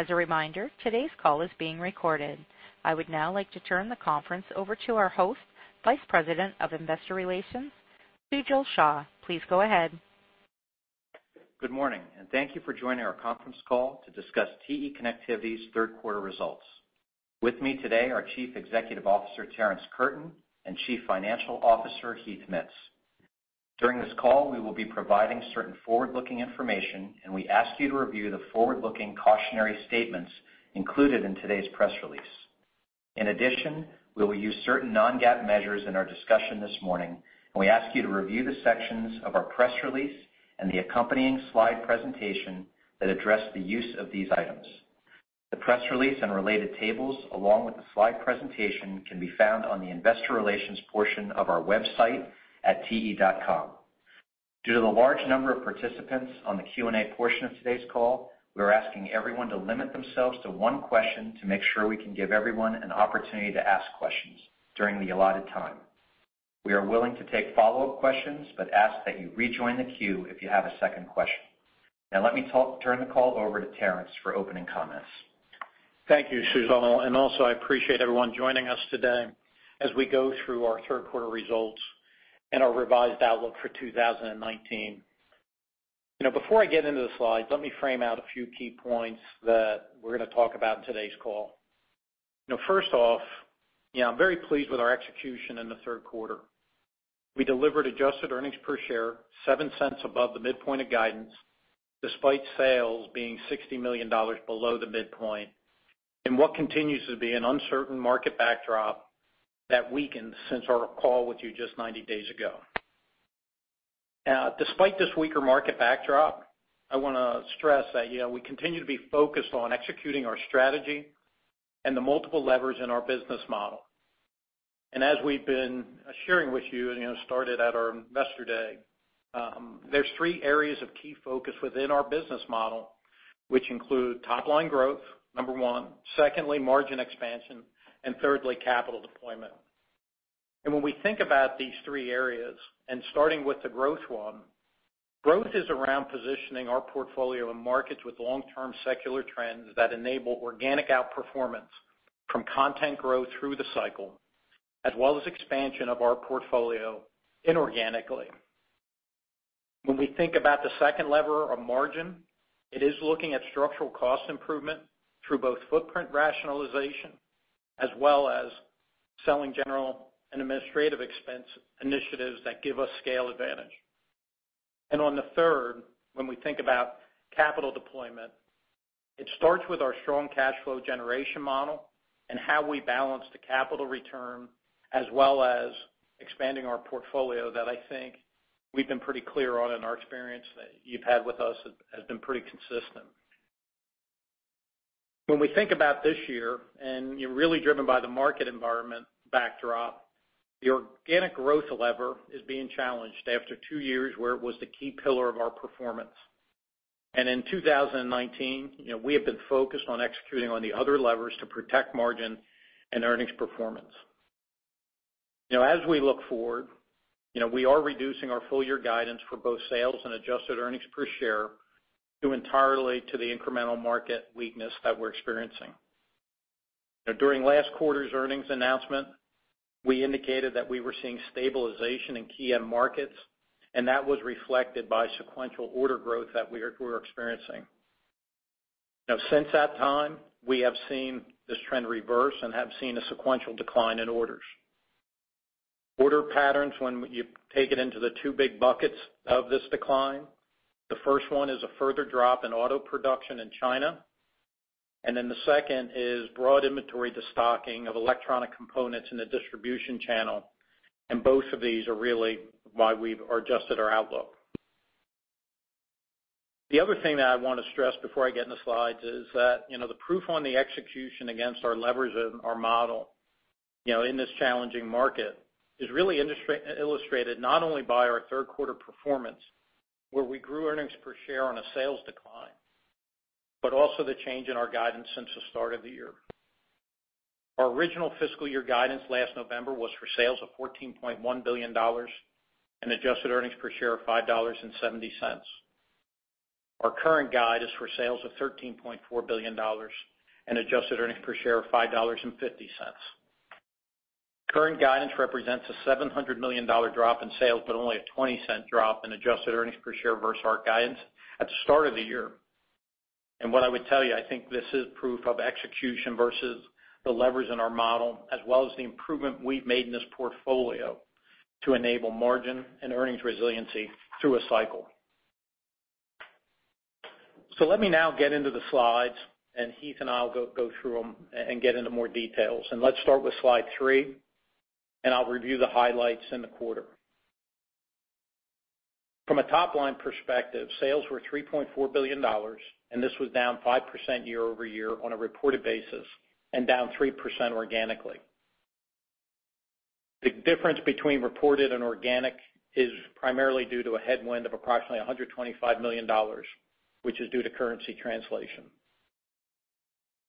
As a reminder, today's call is being recorded. I would now like to turn the conference over to our host, Vice President of Investor Relations, Sujal Shah. Please go ahead. Good morning, and thank you for joining our conference call to discuss TE Connectivity's third quarter results. With me today are Chief Executive Officer, Terrence Curtin, and Chief Financial Officer, Heath Mitts. During this call, we will be providing certain forward-looking information, and we ask you to review the forward-looking cautionary statements included in today's press release. In addition, we will use certain non-GAAP measures in our discussion this morning, and we ask you to review the sections of our press release and the accompanying slide presentation that address the use of these items. The press release and related tables, along with the slide presentation, can be found on the investor relations portion of our website at te.com. Due to the large number of participants on the Q&A portion of today's call, we're asking everyone to limit themselves to one question to make sure we can give everyone an opportunity to ask questions during the allotted time. We are willing to take follow-up questions, but ask that you rejoin the queue if you have a second question. Now let me turn the call over to Terrence for opening comments. Thank you, Sujal, and also, I appreciate everyone joining us today as we go through our third quarter results and our revised outlook for 2019. You know, before I get into the slides, let me frame out a few key points that we're gonna talk about in today's call. Now, first off, you know, I'm very pleased with our execution in the third quarter. We delivered adjusted earnings per share $0.07 above the midpoint of guidance, despite sales being $60 million below the midpoint, in what continues to be an uncertain market backdrop that weakened since our call with you just 90 days ago. Now, despite this weaker market backdrop, I wanna stress that, you know, we continue to be focused on executing our strategy and the multiple levers in our business model. As we've been sharing with you, and, you know, started at our Investor Day, there's three areas of key focus within our business model, which include top line growth, number one, secondly, margin expansion, and thirdly, capital deployment. When we think about these three areas, and starting with the growth one, growth is around positioning our portfolio in markets with long-term secular trends that enable organic outperformance from content growth through the cycle, as well as expansion of our portfolio inorganically. When we think about the second lever of margin, it is looking at structural cost improvement through both footprint rationalization, as well as selling general and administrative expense initiatives that give us scale advantage. On the third, when we think about capital deployment, it starts with our strong cash flow generation model and how we balance the capital return, as well as expanding our portfolio, that I think we've been pretty clear on in our experience, that you've had with us, has been pretty consistent. When we think about this year, and you're really driven by the market environment backdrop, the organic growth lever is being challenged after two years where it was the key pillar of our performance. And in 2019, you know, we have been focused on executing on the other levers to protect margin and earnings performance. Now, as we look forward, you know, we are reducing our full year guidance for both sales and adjusted earnings per share due entirely to the incremental market weakness that we're experiencing. Now, during last quarter's earnings announcement, we indicated that we were seeing stabilization in key end markets, and that was reflected by sequential order growth that we're experiencing. Now, since that time, we have seen this trend reverse and have seen a sequential decline in orders. Order patterns, when you take it into the two big buckets of this decline, the first one is a further drop in auto production in China, and then the second is broad inventory de-stocking of electronic components in the distribution channel, and both of these are really why we've adjusted our outlook. The other thing that I want to stress before I get in the slides is that, you know, the proof on the execution against our levers in our model, you know, in this challenging market, is really illustrated not only by our third quarter performance, where we grew earnings per share on a sales decline, but also the change in our guidance since the start of the year. Our original fiscal year guidance last November was for sales of $14.1 billion and adjusted earnings per share of $5.70. Our current guide is for sales of $13.4 billion and adjusted earnings per share of $5.50. Current guidance represents a $700 million drop in sales, but only a $0.20 drop in adjusted earnings per share versus our guidance at the start of the year. What I would tell you, I think this is proof of execution versus the levers in our model, as well as the improvement we've made in this portfolio to enable margin and earnings resiliency through a cycle. So let me now get into the slides, and Heath and I'll go through them and get into more details. And let's start with slide three, and I'll review the highlights in the quarter. From a top-line perspective, sales were $3.4 billion, and this was down 5% year-over-year on a reported basis and down 3% organically. The difference between reported and organic is primarily due to a headwind of approximately $125 million, which is due to currency translation....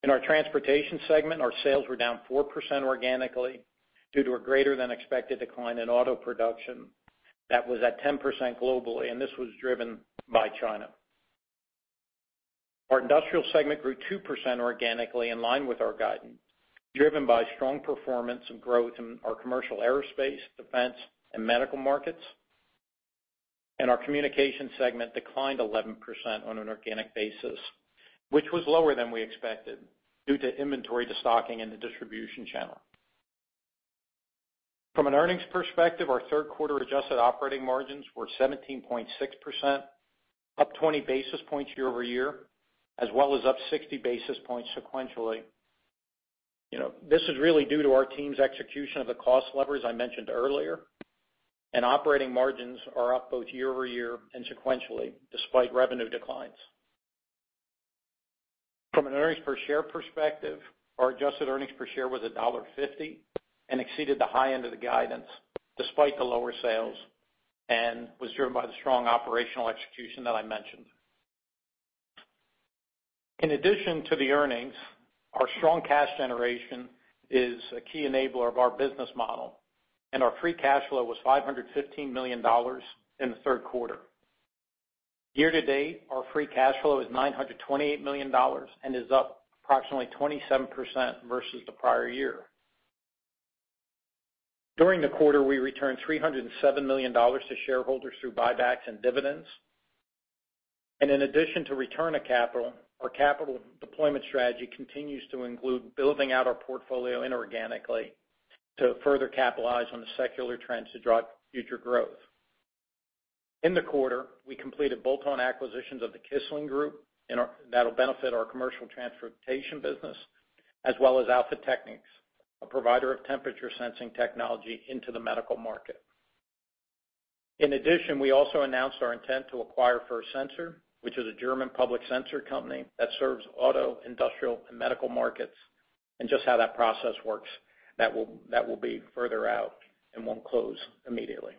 In our Transportation segment, our sales were down 4% organically due to a greater than expected decline in auto production that was at 10% globally, and this was driven by China. Our Industrial segment grew 2% organically in line with our guidance, driven by strong performance and growth in our commercial aerospace, defense, and medical markets. And our Communication segment declined 11% on an organic basis, which was lower than we expected due to inventory de-stocking in the distribution channel. From an earnings perspective, our third quarter adjusted operating margins were 17.6%, up 20 basis points year-over-year, as well as up 60 basis points sequentially. You know, this is really due to our team's execution of the cost levers I mentioned earlier, and operating margins are up both year-over-year and sequentially, despite revenue declines. From an earnings per share perspective, our adjusted earnings per share was $1.50 and exceeded the high end of the guidance despite the lower sales, and was driven by the strong operational execution that I mentioned. In addition to the earnings, our strong cash generation is a key enabler of our business model, and our free cash flow was $515 million in the third quarter. Year-to-date, our free cash flow is $928 million and is up approximately 27% versus the prior year. During the quarter, we returned $307 million to shareholders through buybacks and dividends. In addition to return of capital, our capital deployment strategy continues to include building out our portfolio inorganically to further capitalize on the secular trends to drive future growth. In the quarter, we completed bolt-on acquisitions of the Kissling Group in our – that'll benefit our commercial transportation business, as well as Alpha Technics, a provider of temperature sensing technology into the medical market. In addition, we also announced our intent to acquire First Sensor, which is a German public sensor company that serves auto, industrial, and medical markets, and just how that process works, that will be further out and won't close immediately.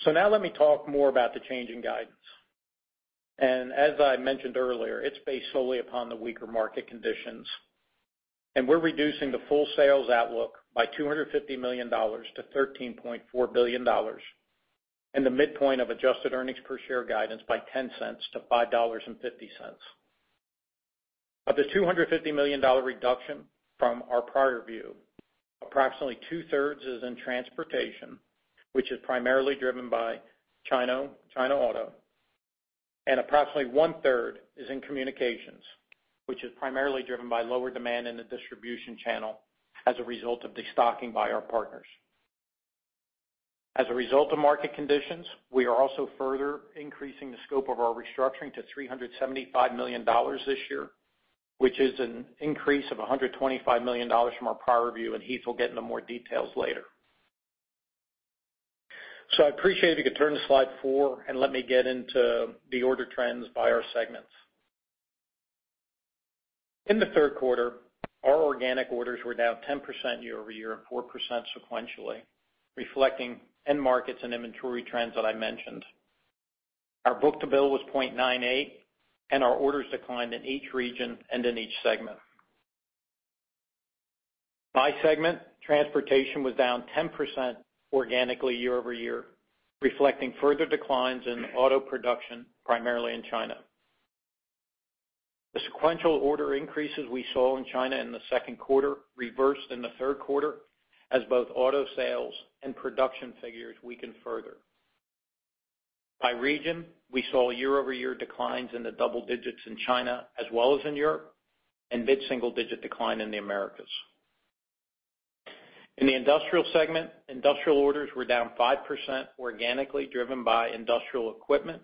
So now let me talk more about the change in guidance. And as I mentioned earlier, it's based solely upon the weaker market conditions, and we're reducing the full sales outlook by $250 million to $13.4 billion, and the midpoint of adjusted earnings per share guidance by $0.10 to $5.50. Of the $250 million reduction from our prior view, approximately two-thirds is in transportation, which is primarily driven by China, China auto, and approximately one-third is in communications, which is primarily driven by lower demand in the distribution channel as a result of de-stocking by our partners. As a result of market conditions, we are also further increasing the scope of our restructuring to $375 million this year, which is an increase of $125 million from our prior view, and Heath will get into more details later. So I'd appreciate if you could turn to slide four and let me get into the order trends by our segments. In the third quarter, our organic orders were down 10% year-over-year and 4% sequentially, reflecting end markets and inventory trends that I mentioned. Our book-to-bill was 0.98, and our orders declined in each region and in each segment. By segment, transportation was down 10% organically year-over-year, reflecting further declines in auto production, primarily in China. The sequential order increases we saw in China in the second quarter reversed in the third quarter, as both auto sales and production figures weakened further. By region, we saw year-over-year declines in the double digits in China as well as in Europe, and mid-single digit decline in the Americas. In the Industrial segment, industrial orders were down 5% organically, driven by industrial equipment,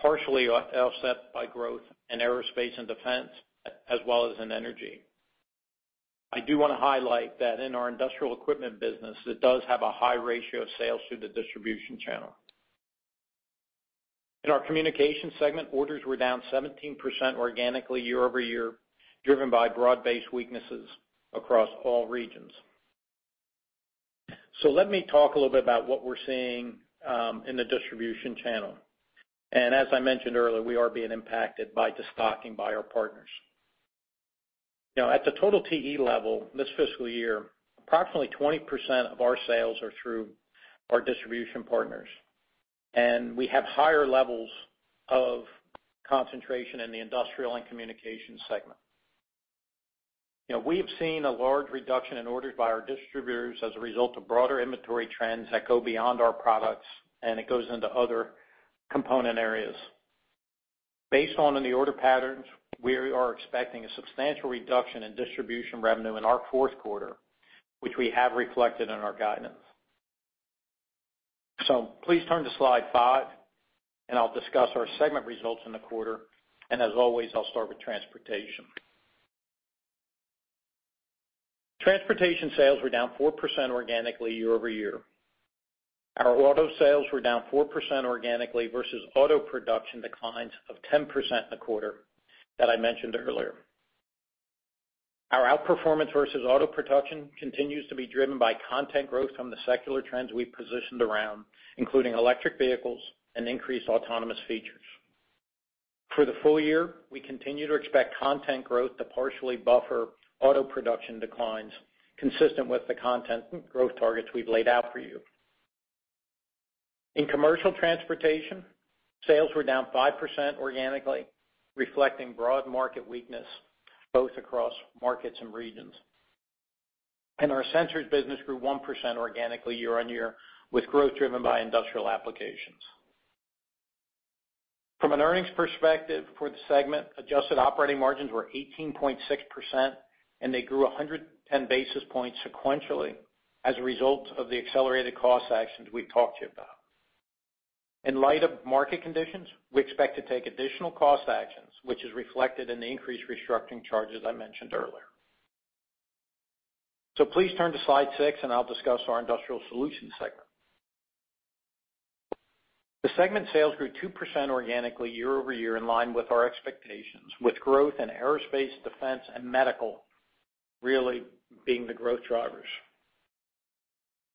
partially offset by growth in aerospace and defense, as well as in energy. I do want to highlight that in our industrial equipment business, it does have a high ratio of sales through the distribution channel. In our Communication segment, orders were down 17% organically year-over-year, driven by broad-based weaknesses across all regions. Let me talk a little bit about what we're seeing in the distribution channel. As I mentioned earlier, we are being impacted by de-stocking by our partners. Now, at the total TE level, this fiscal year, approximately 20% of our sales are through our distribution partners, and we have higher levels of concentration in the industrial and communication segment. You know, we've seen a large reduction in orders by our distributors as a result of broader inventory trends that go beyond our products, and it goes into other component areas. Based on the order patterns, we are expecting a substantial reduction in distribution revenue in our fourth quarter, which we have reflected in our guidance. Please turn to slide five, and I'll discuss our segment results in the quarter, and as always, I'll start with Transportation. Transportation sales were down 4% organically year-over-year. Our auto sales were down 4% organically versus auto production declines of 10% in the quarter that I mentioned earlier. Our outperformance versus auto production continues to be driven by content growth from the secular trends we've positioned around, including electric vehicles and increased autonomous features. For the full year, we continue to expect content growth to partially buffer auto production declines, consistent with the content growth targets we've laid out for you. In commercial transportation, sales were down 5% organically, reflecting broad market weakness both across markets and regions. Our sensors business grew 1% organically year-over-year, with growth driven by industrial applications. From an earnings perspective for the segment, adjusted operating margins were 18.6%, and they grew 110 basis points sequentially as a result of the accelerated cost actions we've talked to you about. In light of market conditions, we expect to take additional cost actions, which is reflected in the increased restructuring charges I mentioned earlier. So please turn to slide six, and I'll discuss our Industrial Solutions segment. The segment sales grew 2% organically year-over-year in line with our expectations, with growth in Aerospace, Defense, and Medical really being the growth drivers.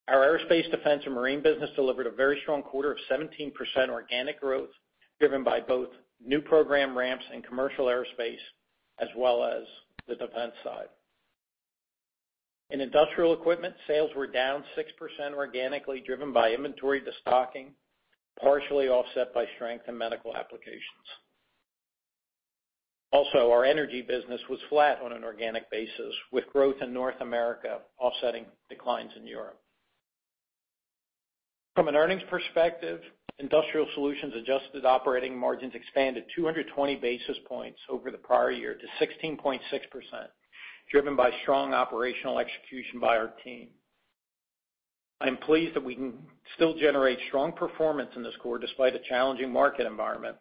Our Aerospace, Defense, and Marine business delivered a very strong quarter of 17% organic growth, driven by both new program ramps and Commercial Aerospace, as well as the defense side. In Industrial Equipment, sales were down 6% organically, driven by inventory de-stocking, partially offset by strength in medical applications. Also, our Energy Business was flat on an organic basis, with growth in North America offsetting declines in Europe. From an earnings perspective, Industrial Solutions' adjusted operating margins expanded 200 basis points over the prior year to 16.6%, driven by strong operational execution by our team. I'm pleased that we can still generate strong performance in this quarter despite a challenging market environment,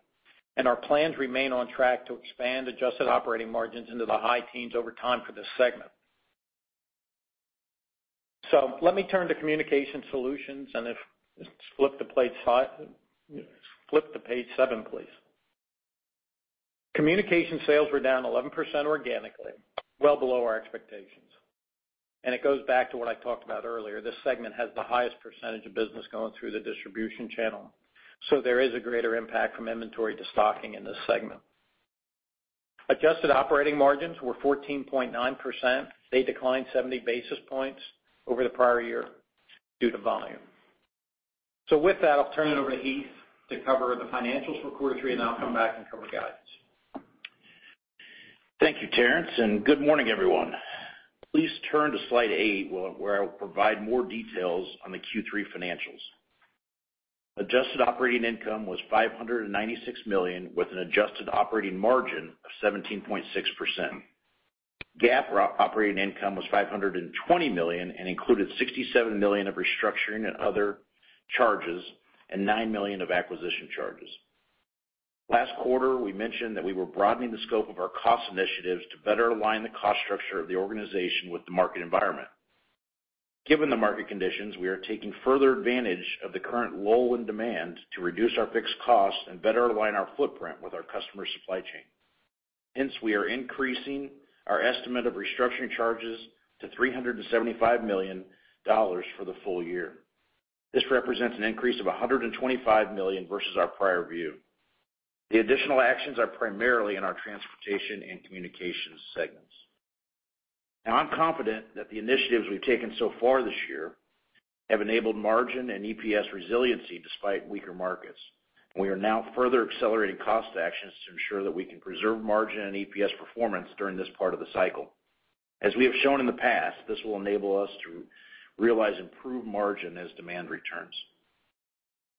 and our plans remain on track to expand adjusted operating margins into the high teens over time for this segment. So let me turn to Communication Solutions, and just flip to slide five, flip to page seven, please. Communication sales were down 11% organically, well below our expectations. It goes back to what I talked about earlier. This segment has the highest percentage of business going through the distribution channel, so there is a greater impact from inventory de-stocking in this segment. Adjusted operating margins were 14.9%. They declined 70 basis points over the prior year due to volume. So with that, I'll turn it over to Heath to cover the financials for quarter three, and I'll come back and cover guidance. Thank you, Terrence, and good morning, everyone. Please turn to slide eight, where I will provide more details on the Q3 financials. Adjusted operating income was $596 million, with an adjusted operating margin of 17.6%. GAAP operating income was $520 million and included $67 million of restructuring and other charges and $9 million of acquisition charges. Last quarter, we mentioned that we were broadening the scope of our cost initiatives to better align the cost structure of the organization with the market environment. Given the market conditions, we are taking further advantage of the current lull in demand to reduce our fixed costs and better align our footprint with our customer supply chain. Hence, we are increasing our estimate of restructuring charges to $375 million for the full year. This represents an increase of $125 million versus our prior view. The additional actions are primarily in our transportation and communications segments. Now, I'm confident that the initiatives we've taken so far this year have enabled margin and EPS resiliency despite weaker markets. We are now further accelerating cost actions to ensure that we can preserve margin and EPS performance during this part of the cycle. As we have shown in the past, this will enable us to realize improved margin as demand returns.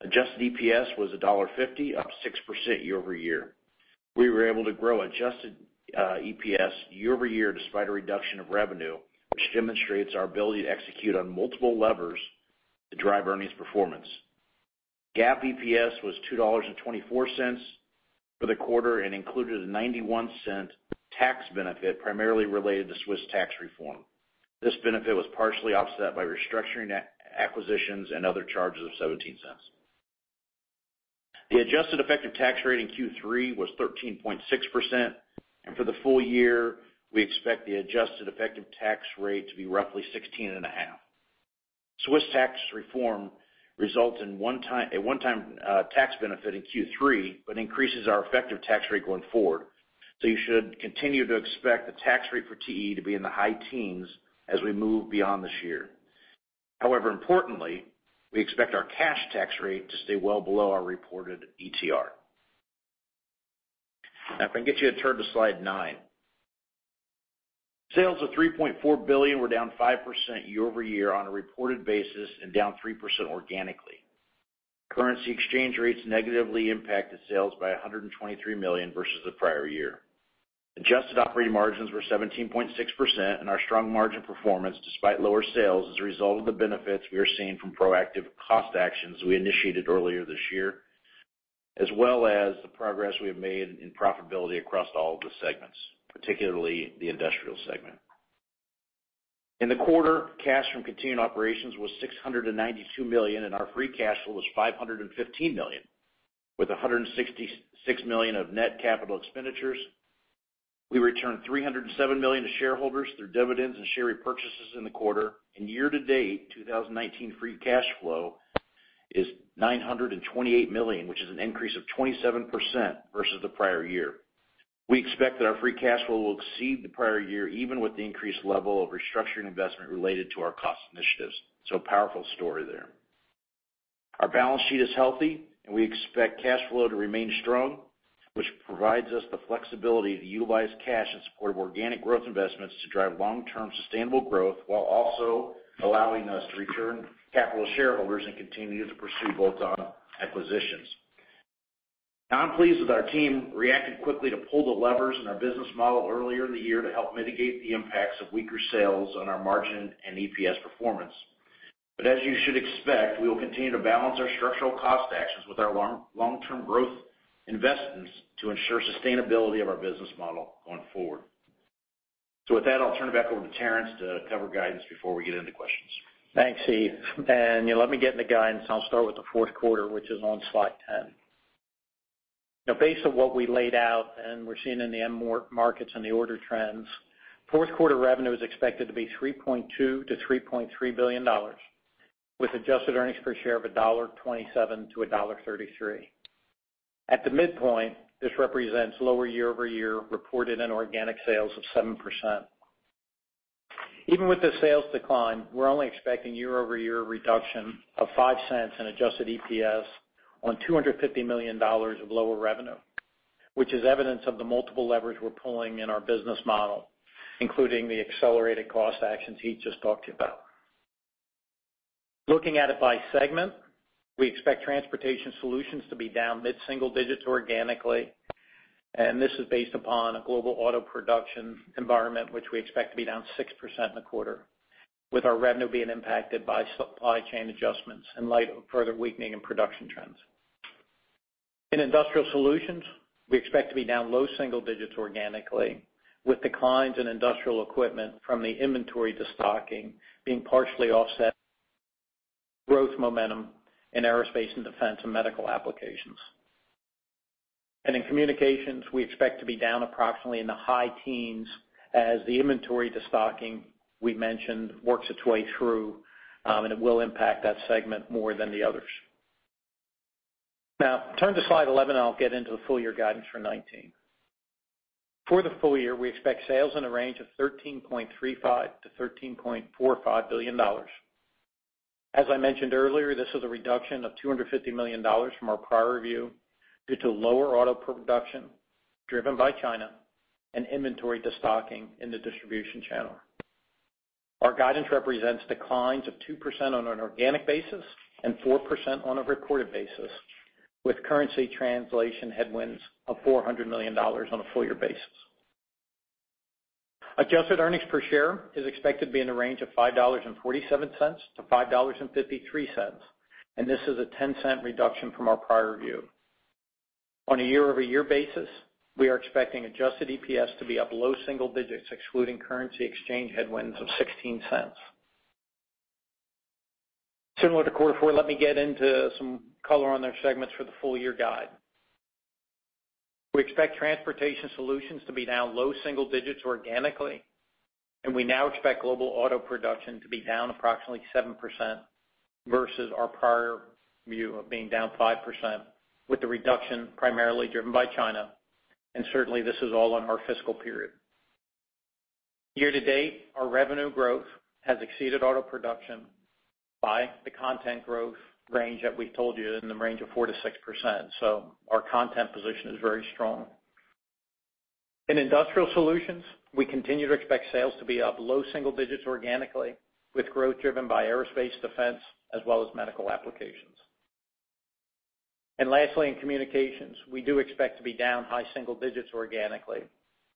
Adjusted EPS was $1.50, up 6% year-over-year. We were able to grow adjusted EPS year-over-year despite a reduction of revenue, which demonstrates our ability to execute on multiple levers to drive earnings performance. GAAP EPS was $2.24 for the quarter and included a $0.91 tax benefit, primarily related to Swiss tax reform. This benefit was partially offset by restructuring acquisitions and other charges of $0.17. The adjusted effective tax rate in Q3 was 13.6%, and for the full year, we expect the adjusted effective tax rate to be roughly 16.5%. Swiss tax reform results in one-time, a one-time, tax benefit in Q3, but increases our effective tax rate going forward. So you should continue to expect the tax rate for TE to be in the high teens as we move beyond this year. However, importantly, we expect our cash tax rate to stay well below our reported ETR. Now, if I can get you to turn to slide nine. Sales of $3.4 billion were down 5% year-over-year on a reported basis and down 3% organically. Currency exchange rates negatively impacted sales by $123 million versus the prior year. Adjusted operating margins were 17.6%, and our strong margin performance, despite lower sales, is a result of the benefits we are seeing from proactive cost actions we initiated earlier this year, as well as the progress we have made in profitability across all of the segments, particularly the Industrial Segment.... In the quarter, cash from continuing operations was $692 million, and our free cash flow was $515 million, with $166 million of net capital expenditures. We returned $307 million to shareholders through dividends and share repurchases in the quarter. Year-to-date, 2019 free cash flow is $928 million, which is an increase of 27% versus the prior year. We expect that our free cash flow will exceed the prior year, even with the increased level of restructuring investment related to our cost initiatives. So a powerful story there. Our balance sheet is healthy, and we expect cash flow to remain strong, which provides us the flexibility to utilize cash in support of organic growth investments to drive long-term sustainable growth, while also allowing us to return capital to shareholders and continue to pursue bolt-on acquisitions. Now, I'm pleased with our team reacting quickly to pull the levers in our business model earlier in the year to help mitigate the impacts of weaker sales on our margin and EPS performance. But as you should expect, we will continue to balance our structural cost actions with our long, long-term growth investments to ensure sustainability of our business model going forward. With that, I'll turn it back over to Terrence to cover guidance before we get into questions. Thanks, Heath. And let me get in the guidance. I'll start with the fourth quarter, which is on slide 10. Now, based on what we laid out and we're seeing in the end markets and the order trends, fourth quarter revenue is expected to be $3.2 billion-$3.3 billion, with adjusted earnings per share of $1.27-$1.33. At the midpoint, this represents lower year-over-year reported and organic sales of 7%. Even with this sales decline, we're only expecting year-over-year reduction of $0.05 in adjusted EPS on $250 million of lower revenue, which is evidence of the multiple levers we're pulling in our business model, including the accelerated cost actions he just talked to you about. Looking at it by segment, we expect Transportation Solutions to be down mid-single digits organically, and this is based upon a global auto production environment, which we expect to be down 6% in the quarter, with our revenue being impacted by supply chain adjustments in light of further weakening in production trends. In Industrial Solutions, we expect to be down low single digits organically, with declines in industrial equipment from the inventory destocking being partially offset growth momentum in aerospace and defense and medical applications. In communications, we expect to be down approximately in the high teens as the inventory destocking we mentioned works its way through, and it will impact that segment more than the others. Now, turn to slide 11, I'll get into the full year guidance for 2019. For the full year, we expect sales in a range of $13.35 billion-$13.45 billion. As I mentioned earlier, this is a reduction of $250 million from our prior review due to lower auto production, driven by China and inventory destocking in the distribution channel. Our guidance represents declines of 2% on an organic basis and 4% on a recorded basis, with currency translation headwinds of $400 million on a full year basis. Adjusted earnings per share is expected to be in the range of $5.47-$5.53, and this is a $0.10 reduction from our prior view. On a year-over-year basis, we are expecting adjusted EPS to be up low single digits, excluding currency exchange headwinds of $0.16. Similar to quarter four, let me get into some color on their segments for the full year guide. We expect Transportation Solutions to be down low single digits organically, and we now expect global auto production to be down approximately 7% versus our prior view of being down 5%, with the reduction primarily driven by China, and certainly this is all on our fiscal period. Year to date, our revenue growth has exceeded auto production by the content growth range that we've told you in the range of 4%-6%. So our content position is very strong. In Industrial Solutions, we continue to expect sales to be up low single digits organically, with growth driven by Aerospace, Defense, as well as Medical Applications. And lastly, in Communications, we do expect to be down high single digits organically,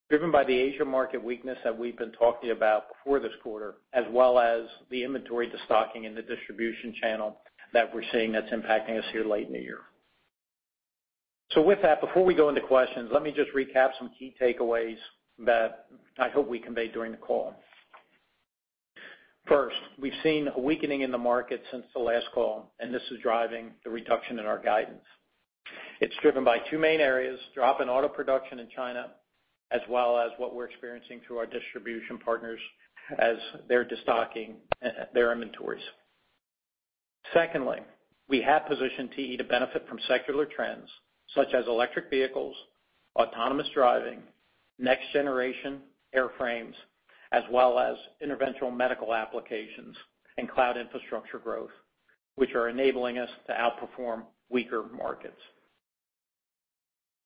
driven by the Asia market weakness that we've been talking about before this quarter, as well as the inventory destocking in the distribution channel that we're seeing that's impacting us here late in the year. So with that, before we go into questions, let me just recap some key takeaways that I hope we conveyed during the call. First, we've seen a weakening in the market since the last call, and this is driving the reduction in our guidance. It's driven by two main areas, drop in auto production in China, as well as what we're experiencing through our distribution partners as they're destocking their inventories. Secondly, we have positioned TE to benefit from secular trends such as electric vehicles, autonomous driving, next generation airframes, as well as interventional medical applications and cloud infrastructure growth, which are enabling us to outperform weaker markets.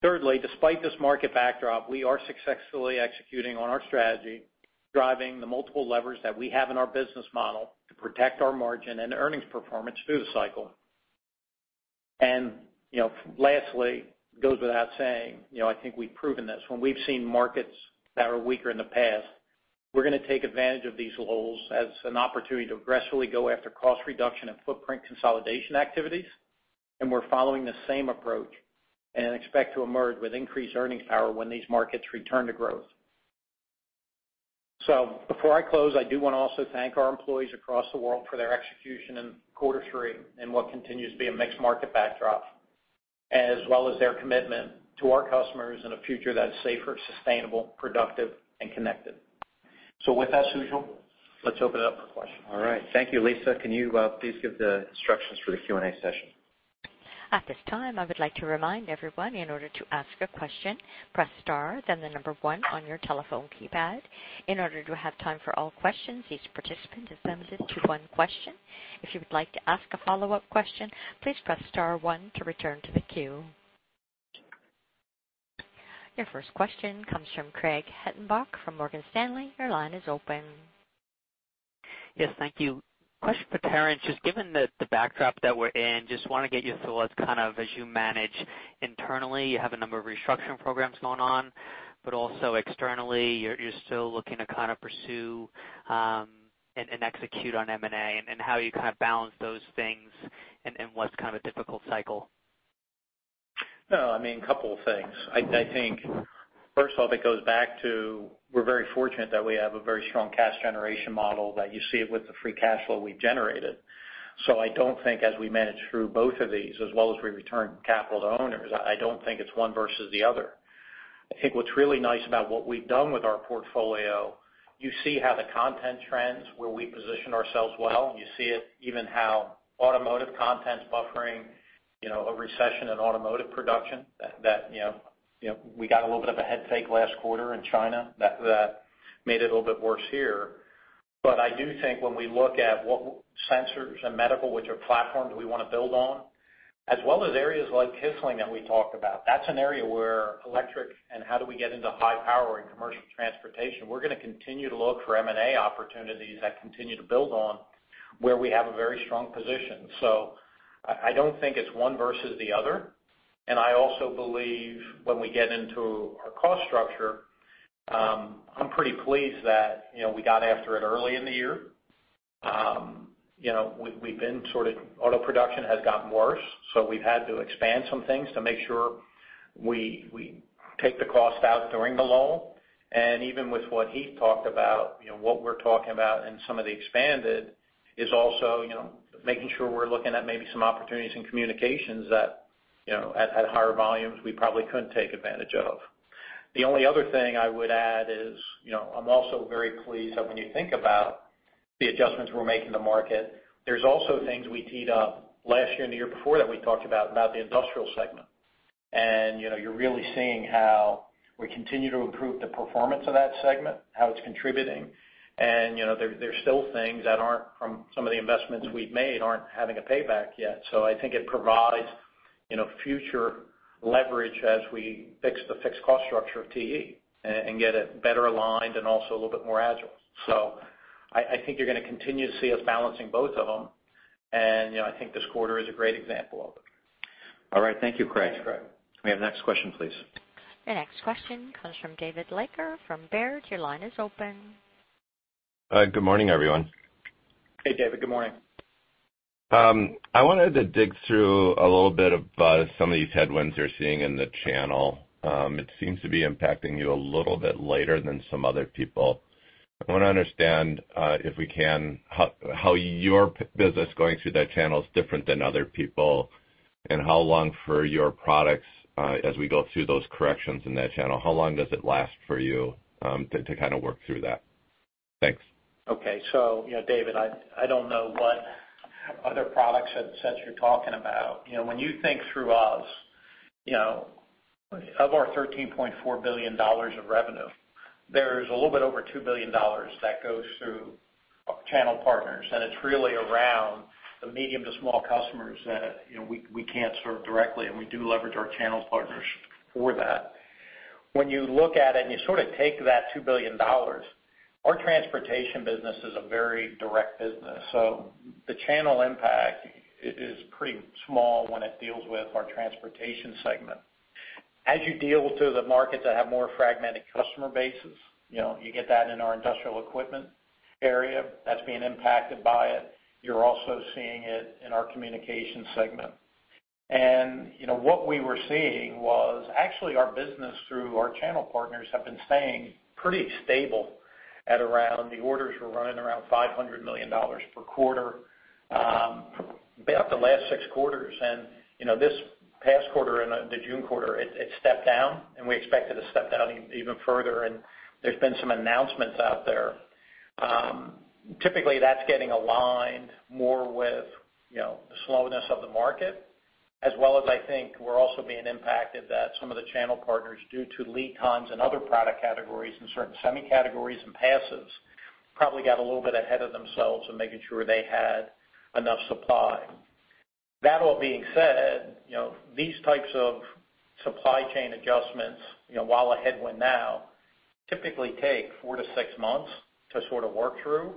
Thirdly, despite this market backdrop, we are successfully executing on our strategy, driving the multiple levers that we have in our business model to protect our margin and earnings performance through the cycle. And, you know, lastly, goes without saying, you know, I think we've proven this, when we've seen markets that are weaker in the past, we're gonna take advantage of these lulls as an opportunity to aggressively go after cost reduction and footprint consolidation activities... and we're following the same approach, and expect to emerge with increased earnings power when these markets return to growth. So before I close, I do want to also thank our employees across the world for their execution in quarter three, in what continues to be a mixed market backdrop, as well as their commitment to our customers in a future that's safer, sustainable, productive, and connected. So with that, Sujal, let's open it up for questions. All right. Thank you. Lisa, can you please give the instructions for the Q&A session? At this time, I would like to remind everyone, in order to ask a question, press star, then the number one on your telephone keypad. In order to have time for all questions, each participant is limited to one question. If you would like to ask a follow-up question, please press star one to return to the queue. Your first question comes from Craig Hettenbach from Morgan Stanley. Your line is open. Yes, thank you. Question for Terrence. Just given the backdrop that we're in, just want to get your thoughts, kind of, as you manage internally, you have a number of restructuring programs going on, but also externally, you're still looking to kind of pursue and execute on M&A, and how you kind of balance those things in what's kind of a difficult cycle. No, I mean, a couple of things. I, I think, first of all, it goes back to we're very fortunate that we have a very strong cash generation model, that you see it with the free cash flow we've generated. So I don't think as we manage through both of these, as well as we return capital to owners, I don't think it's one versus the other. I think what's really nice about what we've done with our portfolio, you see how the content trends, where we position ourselves well, you see it even how automotive content's buffering, you know, a recession in automotive production, that, that, you know, you know, we got a little bit of a head fake last quarter in China, that, that made it a little bit worse here. But I do think when we look at what sensors and medical, which are platforms we want to build on, as well as areas like Kissling that we talked about, that's an area where electric and how do we get into high power and commercial transportation? We're gonna continue to look for M&A opportunities that continue to build on where we have a very strong position. So I, I don't think it's one versus the other, and I also believe when we get into our cost structure, I'm pretty pleased that, you know, we got after it early in the year. You know, we, we've been sort of— auto production has gotten worse, so we've had to expand some things to make sure we, we take the cost out during the lull. And even with what he talked about, you know, what we're talking about in some of the expanded is also, you know, making sure we're looking at maybe some opportunities in communications that, you know, at higher volumes, we probably couldn't take advantage of. The only other thing I would add is, you know, I'm also very pleased that when you think about the adjustments we're making in the market, there's also things we teed up last year and the year before that we talked about the Industrial Segment. And, you know, you're really seeing how we continue to improve the performance of that segment, how it's contributing. And, you know, there's still things that aren't, from some of the investments we've made, aren't having a payback yet. So I think it provides, you know, future leverage as we fix the fixed cost structure of TE and get it better aligned and also a little bit more agile. So I think you're gonna continue to see us balancing both of them. And, you know, I think this quarter is a great example of it. All right. Thank you, Craig. Thanks, Craig. May I have the next question, please? Your next question comes from David Leiker from Baird. Your line is open. Good morning, everyone. Hey, David. Good morning. I wanted to dig through a little bit about some of these headwinds you're seeing in the channel. It seems to be impacting you a little bit later than some other people. I want to understand, if we can, how your business going through that channel is different than other people, and how long for your products, as we go through those corrections in that channel, how long does it last for you, to kind of work through that? Thanks. Okay. So, you know, David, I don't know what other products and sets you're talking about. You know, when you think through us, you know, of our $13.4 billion of revenue, there's a little bit over $2 billion that goes through channel partners, and it's really around the medium to small customers that, you know, we can't serve directly, and we do leverage our channel partners for that. When you look at it and you sort of take that $2 billion, our Transportation business is a very direct business, so the channel impact is pretty small when it deals with our Transportation Segment. As you deal through the markets that have more fragmented customer bases, you know, you get that in our industrial equipment area that's being impacted by it. You're also seeing it in our Communication Segment. You know, what we were seeing was actually our business through our channel partners have been staying pretty stable at around... The orders were running around $500 million per quarter, about the last six quarters. And, you know, this past quarter, in the June quarter, it stepped down, and we expect it to step down even further, and there's been some announcements out there. Typically, that's getting aligned more with, you know, the slowness of the market, as well as I think we're also being impacted that some of the channel partners, due to lead times and other product categories and certain semi-categories and passives, probably got a little bit ahead of themselves in making sure they had enough supply. That all being said, you know, these types of supply chain adjustments, you know, while a headwind now, typically take four to six months to sort of work through.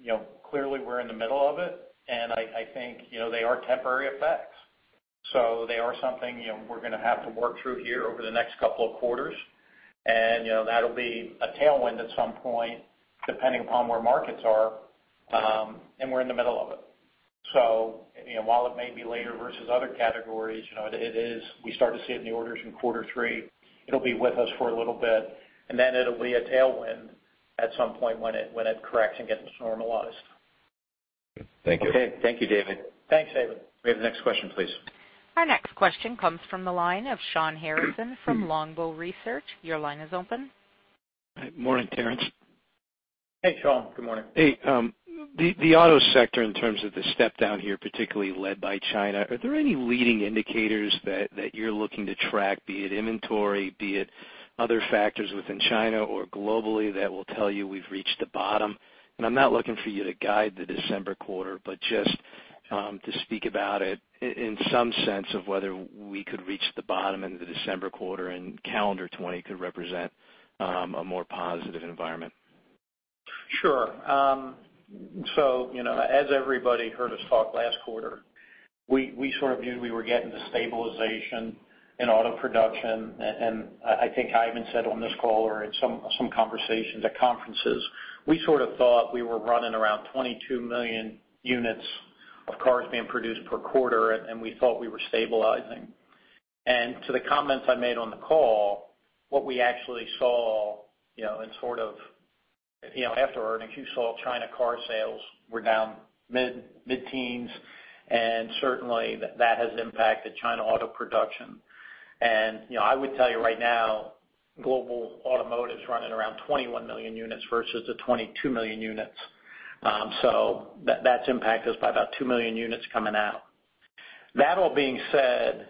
You know, clearly, we're in the middle of it, and I think, you know, they are temporary effects, so they are something, you know, we're gonna have to work through here over the next couple of quarters. And, you know, that'll be a tailwind at some point, depending upon where markets are, and we're in the middle of it. So, you know, while it may be later versus other categories, you know, it is, we start to see it in the orders in quarter three. It'll be with us for a little bit, and then it'll be a tailwind at some point when it corrects and gets normalized. Thank you. Okay. Thank you, David. Thanks, David. May we have the next question, please? Our next question comes from the line of Shawn Harrison from Longbow Research. Your line is open. Hi. Morning, Terrence. Hey, Shawn. Good morning. Hey, the auto sector, in terms of the step down here, particularly led by China, are there any leading indicators that you're looking to track, be it inventory, be it other factors within China or globally, that will tell you we've reached the bottom? And I'm not looking for you to guide the December quarter, but just to speak about it in some sense of whether we could reach the bottom in the December quarter and calendar 2020 could represent a more positive environment. Sure. So, you know, as everybody heard us talk last quarter, we sort of viewed we were getting the stabilization in auto production. And I think I even said on this call or in some conversations at conferences, we sort of thought we were running around 22 million units of cars being produced per quarter, and we thought we were stabilizing. And to the comments I made on the call, what we actually saw, you know, in sort of, you know, after earnings, you saw China car sales were down mid-teens, and certainly that has impacted China auto production. And, you know, I would tell you right now, global automotive's running around 21 million units versus the 22 million units. So that's impacted us by about two million units coming out. That all being said,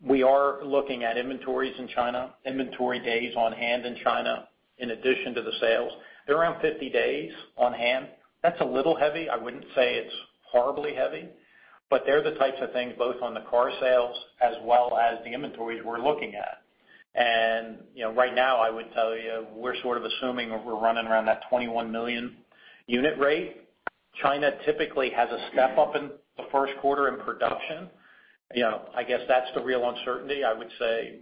we are looking at inventories in China, inventory days on hand in China, in addition to the sales. They're around 50 days on hand. That's a little heavy. I wouldn't say it's horribly heavy, but they're the types of things, both on the car sales as well as the inventories we're looking at. And, you know, right now, I would tell you, we're sort of assuming we're running around that 21 million unit rate. China typically has a step up in the first quarter in production. You know, I guess that's the real uncertainty. I would say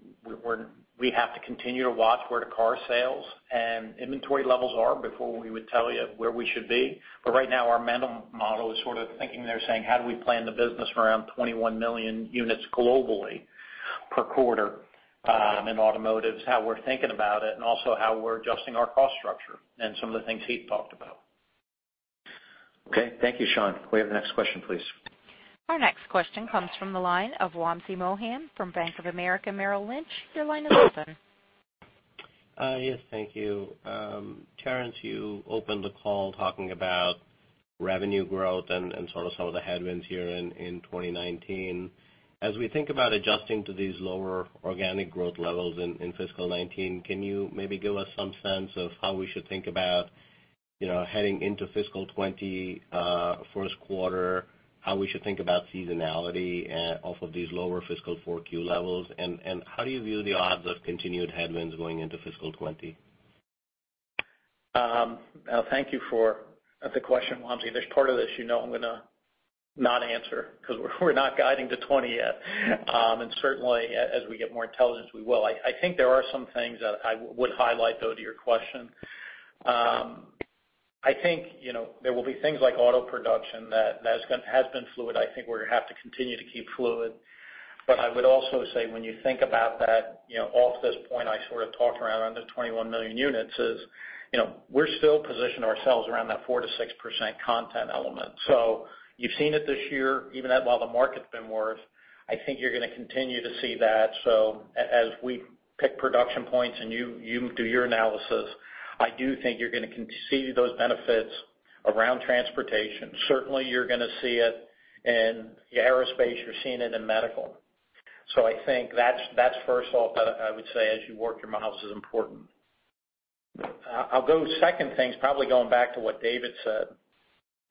we have to continue to watch where the car sales and inventory levels are before we would tell you where we should be. But right now, our mental model is sort of thinking there, saying: How do we plan the business around 21 million units globally per quarter in automotives? How we're thinking about it, and also how we're adjusting our cost structure and some of the things Heath talked about. Okay. Thank you, Sean. Can we have the next question, please? Our next question comes from the line of Wamsi Mohan from Bank of America Merrill Lynch. Your line is open. Yes, thank you. Terrence, you opened the call talking about revenue growth and sort of some of the headwinds here in 2019. As we think about adjusting to these lower organic growth levels in fiscal 2019, can you maybe give us some sense of how we should think about, you know, heading into fiscal 2020 first quarter, how we should think about seasonality off of these lower fiscal 4Q levels? And how do you view the odds of continued headwinds going into fiscal 2020? Thank you for the question, Wamsi. There's part of this, you know I'm gonna not answer, 'cause we're not guiding to 2020 yet. And certainly, as we get more intelligence, we will. I think there are some things that I would highlight, though, to your question. I think, you know, there will be things like auto production that's been fluid. I think we're gonna have to continue to keep fluid. But I would also say, when you think about that, you know, off this point, I sort of talked around on the 21 million units is, you know, we're still positioning ourselves around that 4%-6% content element. So you've seen it this year, even at while the market's been worse, I think you're gonna continue to see that. So as we pick production points and you do your analysis, I do think you're gonna see those benefits around Transportation. Certainly, you're gonna see it in Aerospace, you're seeing it in Medical. So I think that's first off, I would say as you work your models, is important. I'll go second thing's probably going back to what David said.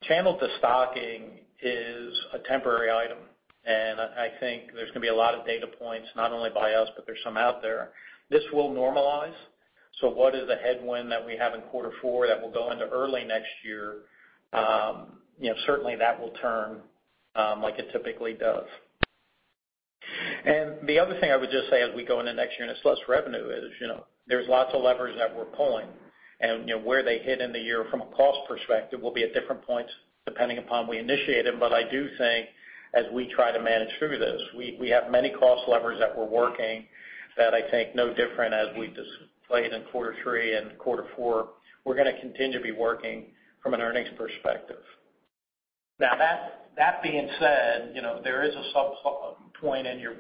Channel de-stocking is a temporary item, and I think there's gonna be a lot of data points, not only by us, but there's some out there. This will normalize. So what is the headwind that we have in quarter four that will go into early next year? You know, certainly, that will turn, like it typically does. And the other thing I would just say as we go into next year, and it's less revenue is, you know, there's lots of levers that we're pulling, and, you know, where they hit in the year from a cost perspective will be at different points, depending upon we initiate them. But I do think as we try to manage through this, we have many cost levers that we're working that I think no different as we displayed in quarter three and quarter four. We're gonna continue to be working from an earnings perspective. Now, that being said, you know, there is a sub-point in your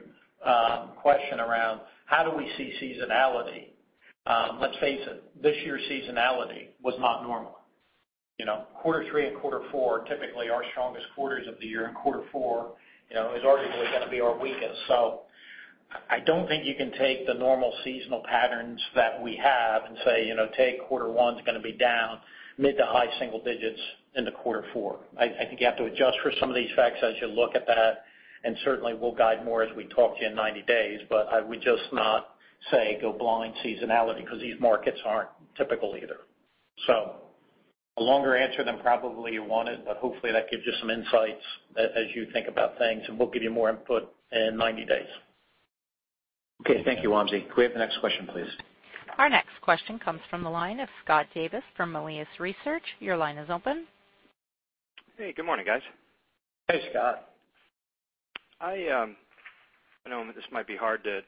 question around: How do we see seasonality? Let's face it, this year's seasonality was not normal. You know, quarter three and quarter four are typically our strongest quarters of the year, and quarter four, you know, is arguably gonna be our weakest. So I don't think you can take the normal seasonal patterns that we have and say, you know, take quarter one's gonna be down mid to high single digits into quarter four. I think you have to adjust for some of these facts as you look at that, and certainly, we'll guide more as we talk to you in 90 days. But I would just not say go blind seasonality, because these markets aren't typical either. So. A longer answer than probably you wanted, but hopefully that gives you some insights as you think about things, and we'll give you more input in 90 days. Okay, thank you, Wamsi. Can we have the next question, please? Our next question comes from the line of Scott Davis from Melius Research. Your line is open. Hey, good morning, guys. Hey, Scott. I know this might be hard to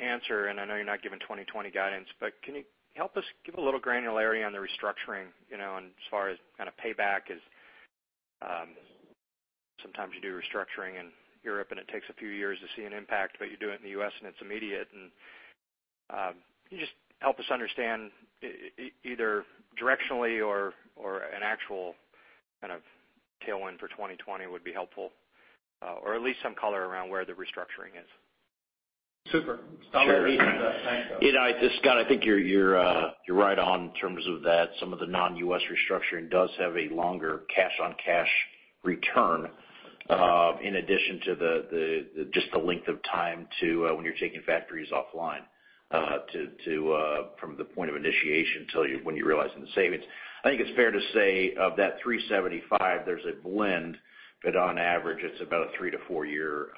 answer, and I know you're not giving 2020 guidance, but can you help us give a little granularity on the restructuring, you know, and as far as kind of payback is, sometimes you do restructuring in Europe, and it takes a few years to see an impact, but you do it in the U.S. and it's immediate. And, can you just help us understand either directionally or an actual kind of tailwind for 2020 would be helpful, or at least some color around where the restructuring is? Super. Scott, I think you're right on in terms of that. Some of the non-U.S. restructuring does have a longer cash-on-cash return, in addition to just the length of time to when you're taking factories offline, to from the point of initiation till you—when you're realizing the savings. I think it's fair to say of that $375, there's a blend, but on average, it's about a three to four year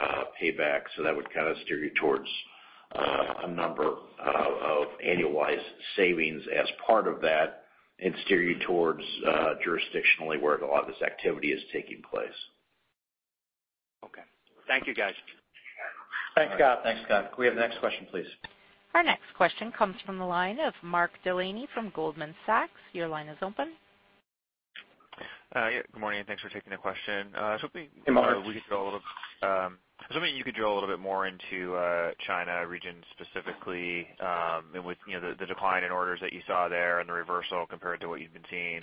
payback. So that would kind of steer you towards a number of annualized savings as part of that and steer you towards, jurisdictionally, where a lot of this activity is taking place. Okay. Thank you, guys. Thanks, Scott. Thanks, Scott. Can we have the next question, please? Our next question comes from the line of Mark Delaney from Goldman Sachs. Your line is open. Yeah, good morning, and thanks for taking the question. I was hoping- Hey, Mark. We could drill a little. I was hoping you could drill a little bit more into China region specifically, and with, you know, the, the decline in orders that you saw there and the reversal compared to what you've been seeing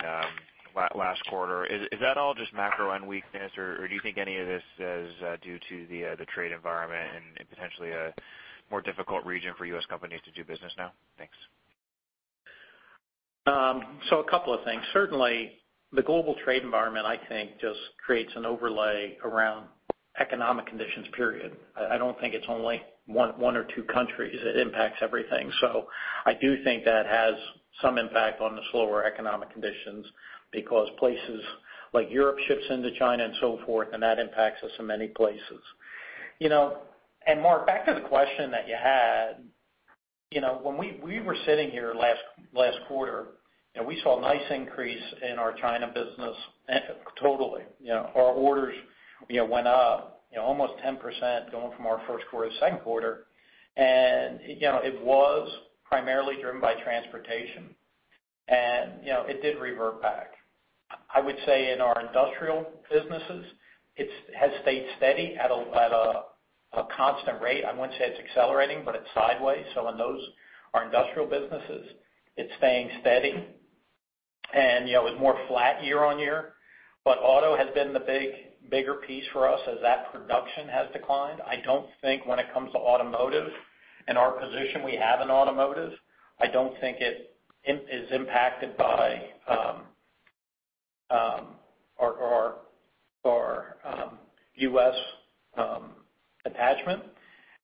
last quarter. Is that all just macro and weakness, or do you think any of this is due to the trade environment and potentially a more difficult region for U.S. companies to do business now? Thanks. So a couple of things. Certainly, the global trade environment, I think, just creates an overlay around economic conditions, period. I don't think it's only one or two countries; it impacts everything. So I do think that has some impact on the slower economic conditions because places like Europe ship into China and so forth, and that impacts us in many places. You know, and Mark, back to the question that you had, you know, when we were sitting here last quarter, and we saw a nice increase in our China business, totally. You know, our orders, you know, went up, you know, almost 10% going from our first quarter to second quarter, and, you know, it was primarily driven by transportation, and, you know, it did revert back. I would say in our industrial businesses, it has stayed steady at a constant rate. I wouldn't say it's accelerating, but it's sideways. So in those, our industrial businesses, it's staying steady and, you know, it's more flat year-over-year. But auto has been the bigger piece for us as that production has declined. I don't think when it comes to automotive and our position we have in automotive, I don't think it is impacted by our U.S. attachment.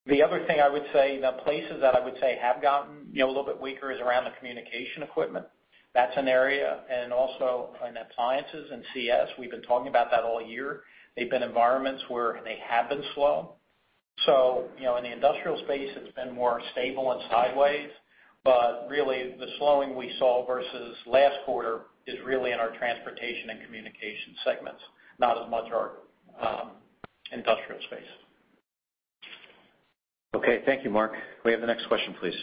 The other thing I would say, the places that I would say have gotten, you know, a little bit weaker is around the communication equipment. That's an area, and also in appliances and CS, we've been talking about that all year. They've been environments where they have been slow. You know, in the Industrial space, it's been more stable and sideways, but really, the slowing we saw versus last quarter is really in our Transportation and Communication Segments, not as much our Industrial space. Okay. Thank you, Mark. Can we have the next question, please?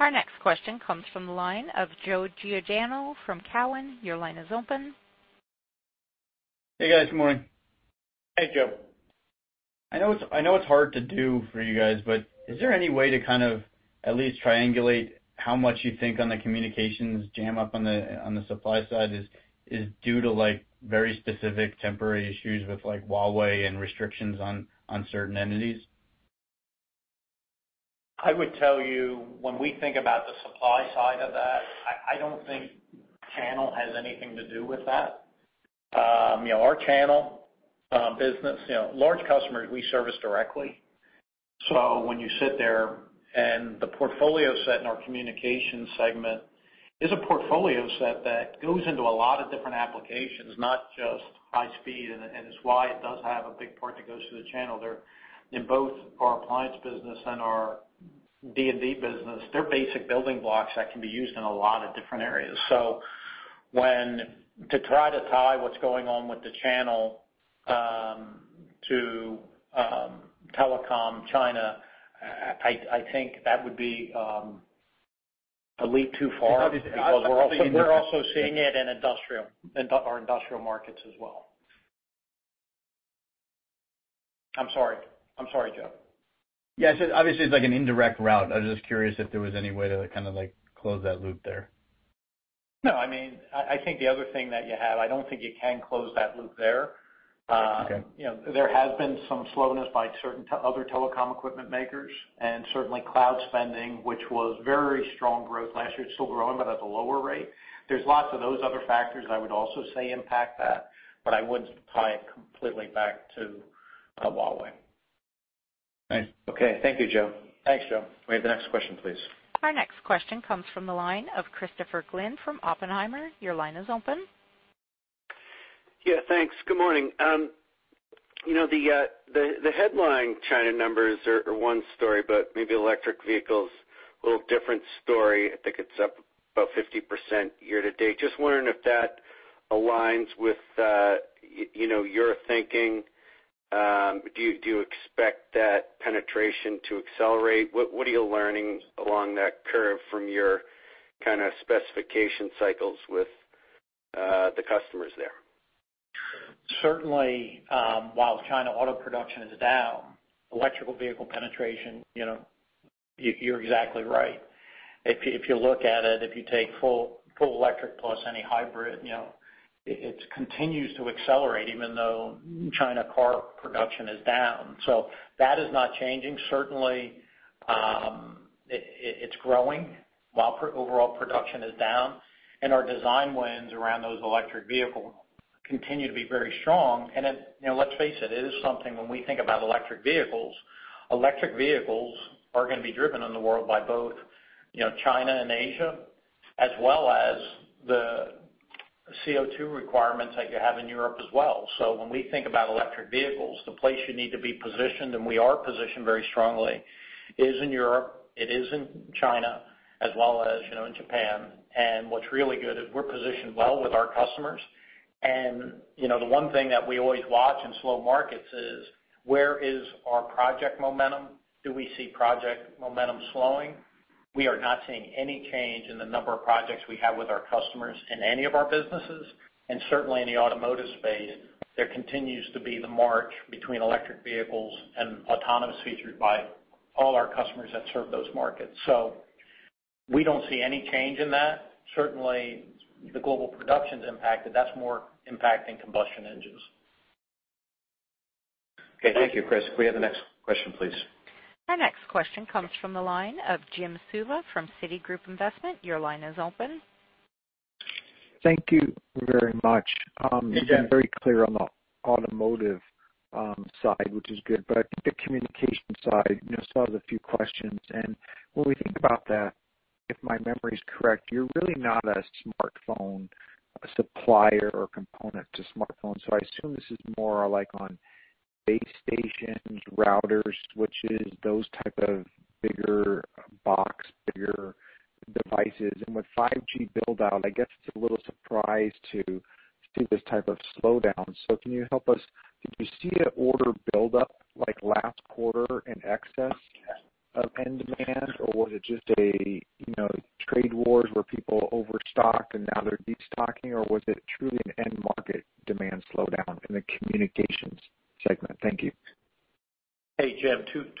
Our next question comes from the line of Joe Giordano from Cowen. Your line is open. Hey, guys. Good morning. Hey, Joe. I know it's hard to do for you guys, but is there any way to kind of at least triangulate how much you think on the communications jam up on the supply side is due to, like, very specific temporary issues with, like, Huawei and restrictions on certain entities? I would tell you, when we think about the supply side of that, I don't think channel has anything to do with that. You know, our channel business, you know, large customers, we service directly. So when you sit there and the portfolio set in our communication segment is a portfolio set that goes into a lot of different applications, not just high speed, and it's why it does have a big part that goes to the channel. There, in both our appliance business and our D&D business, they're basic building blocks that can be used in a lot of different areas. So, to try to tie what's going on with the channel to telecom China, I think that would be a leap too far- Obviously, I-... We're also seeing it in Industrial, in our Industrial markets as well. I'm sorry. I'm sorry, Joe. Yeah, so obviously, it's like an indirect route. I was just curious if there was any way to kind of, like, close that loop there. No, I mean, I, I think the other thing that you have, I don't think you can close that loop there. Okay. You know, there has been some slowness by certain other telecom equipment makers, and certainly cloud spending, which was very strong growth last year. It's still growing, but at a lower rate. There's lots of those other factors I would also say impact that, but I wouldn't tie it completely back to Huawei. Okay. Thank you, Joe. Thanks, Joe. May we have the next question, please? Our next question comes from the line of Christopher Glynn from Oppenheimer. Your line is open. Yeah, thanks. Good morning. You know, the headline China numbers are one story, but maybe electric vehicles, a little different story. I think it's up about 50% year to date. Just wondering if that aligns with, you know, your thinking. Do you, do you expect that penetration to accelerate? What, what are you learning along that curve from your kind of specification cycles with, the customers there? Certainly, while China auto production is down, electric vehicle penetration, you know, you're exactly right. If you look at it, if you take full electric plus any hybrid, you know, it continues to accelerate, even though China car production is down. So that is not changing. Certainly, it, it's growing while overall production is down, and our design wins around those electric vehicle continue to be very strong. And you know, let's face it, it is something when we think about electric vehicles, electric vehicles are gonna be driven in the world by both, you know, China and Asia, as well as the CO2 requirements that you have in Europe as well. So when we think about electric vehicles, the place you need to be positioned, and we are positioned very strongly, is in Europe, it is in China, as well as, you know, in Japan. And what's really good is we're positioned well with our customers. And, you know, the one thing that we always watch in slow markets is: where is our project momentum? Do we see project momentum slowing? We are not seeing any change in the number of projects we have with our customers in any of our businesses, and certainly in the automotive space, there continues to be the march between electric vehicles and autonomous features by all our customers that serve those markets. So we don't see any change in that. Certainly, the global production's impacted. That's more impacting combustion engines. Okay. Thank you, Chris. Can we have the next question, please? Our next question comes from the line of Jim Suva from Citigroup Investment. Your line is open. Thank you very much. Yeah. You've been very clear on the automotive side, which is good, but I think the communication side, you know, still has a few questions. When we think about that, if my memory is correct, you're really not a smartphone supplier or component to smartphones, so I assume this is more like on base stations, routers, switches, those type of bigger box, bigger devices. With 5G build-out, I guess it's a little surprise to see this type of slowdown. Can you help us, did you see an order build-up like last quarter in excess of end demand, or was it just a, you know, trade wars where people overstocked and now they're destocking, or was it truly an end market demand slowdown in the communications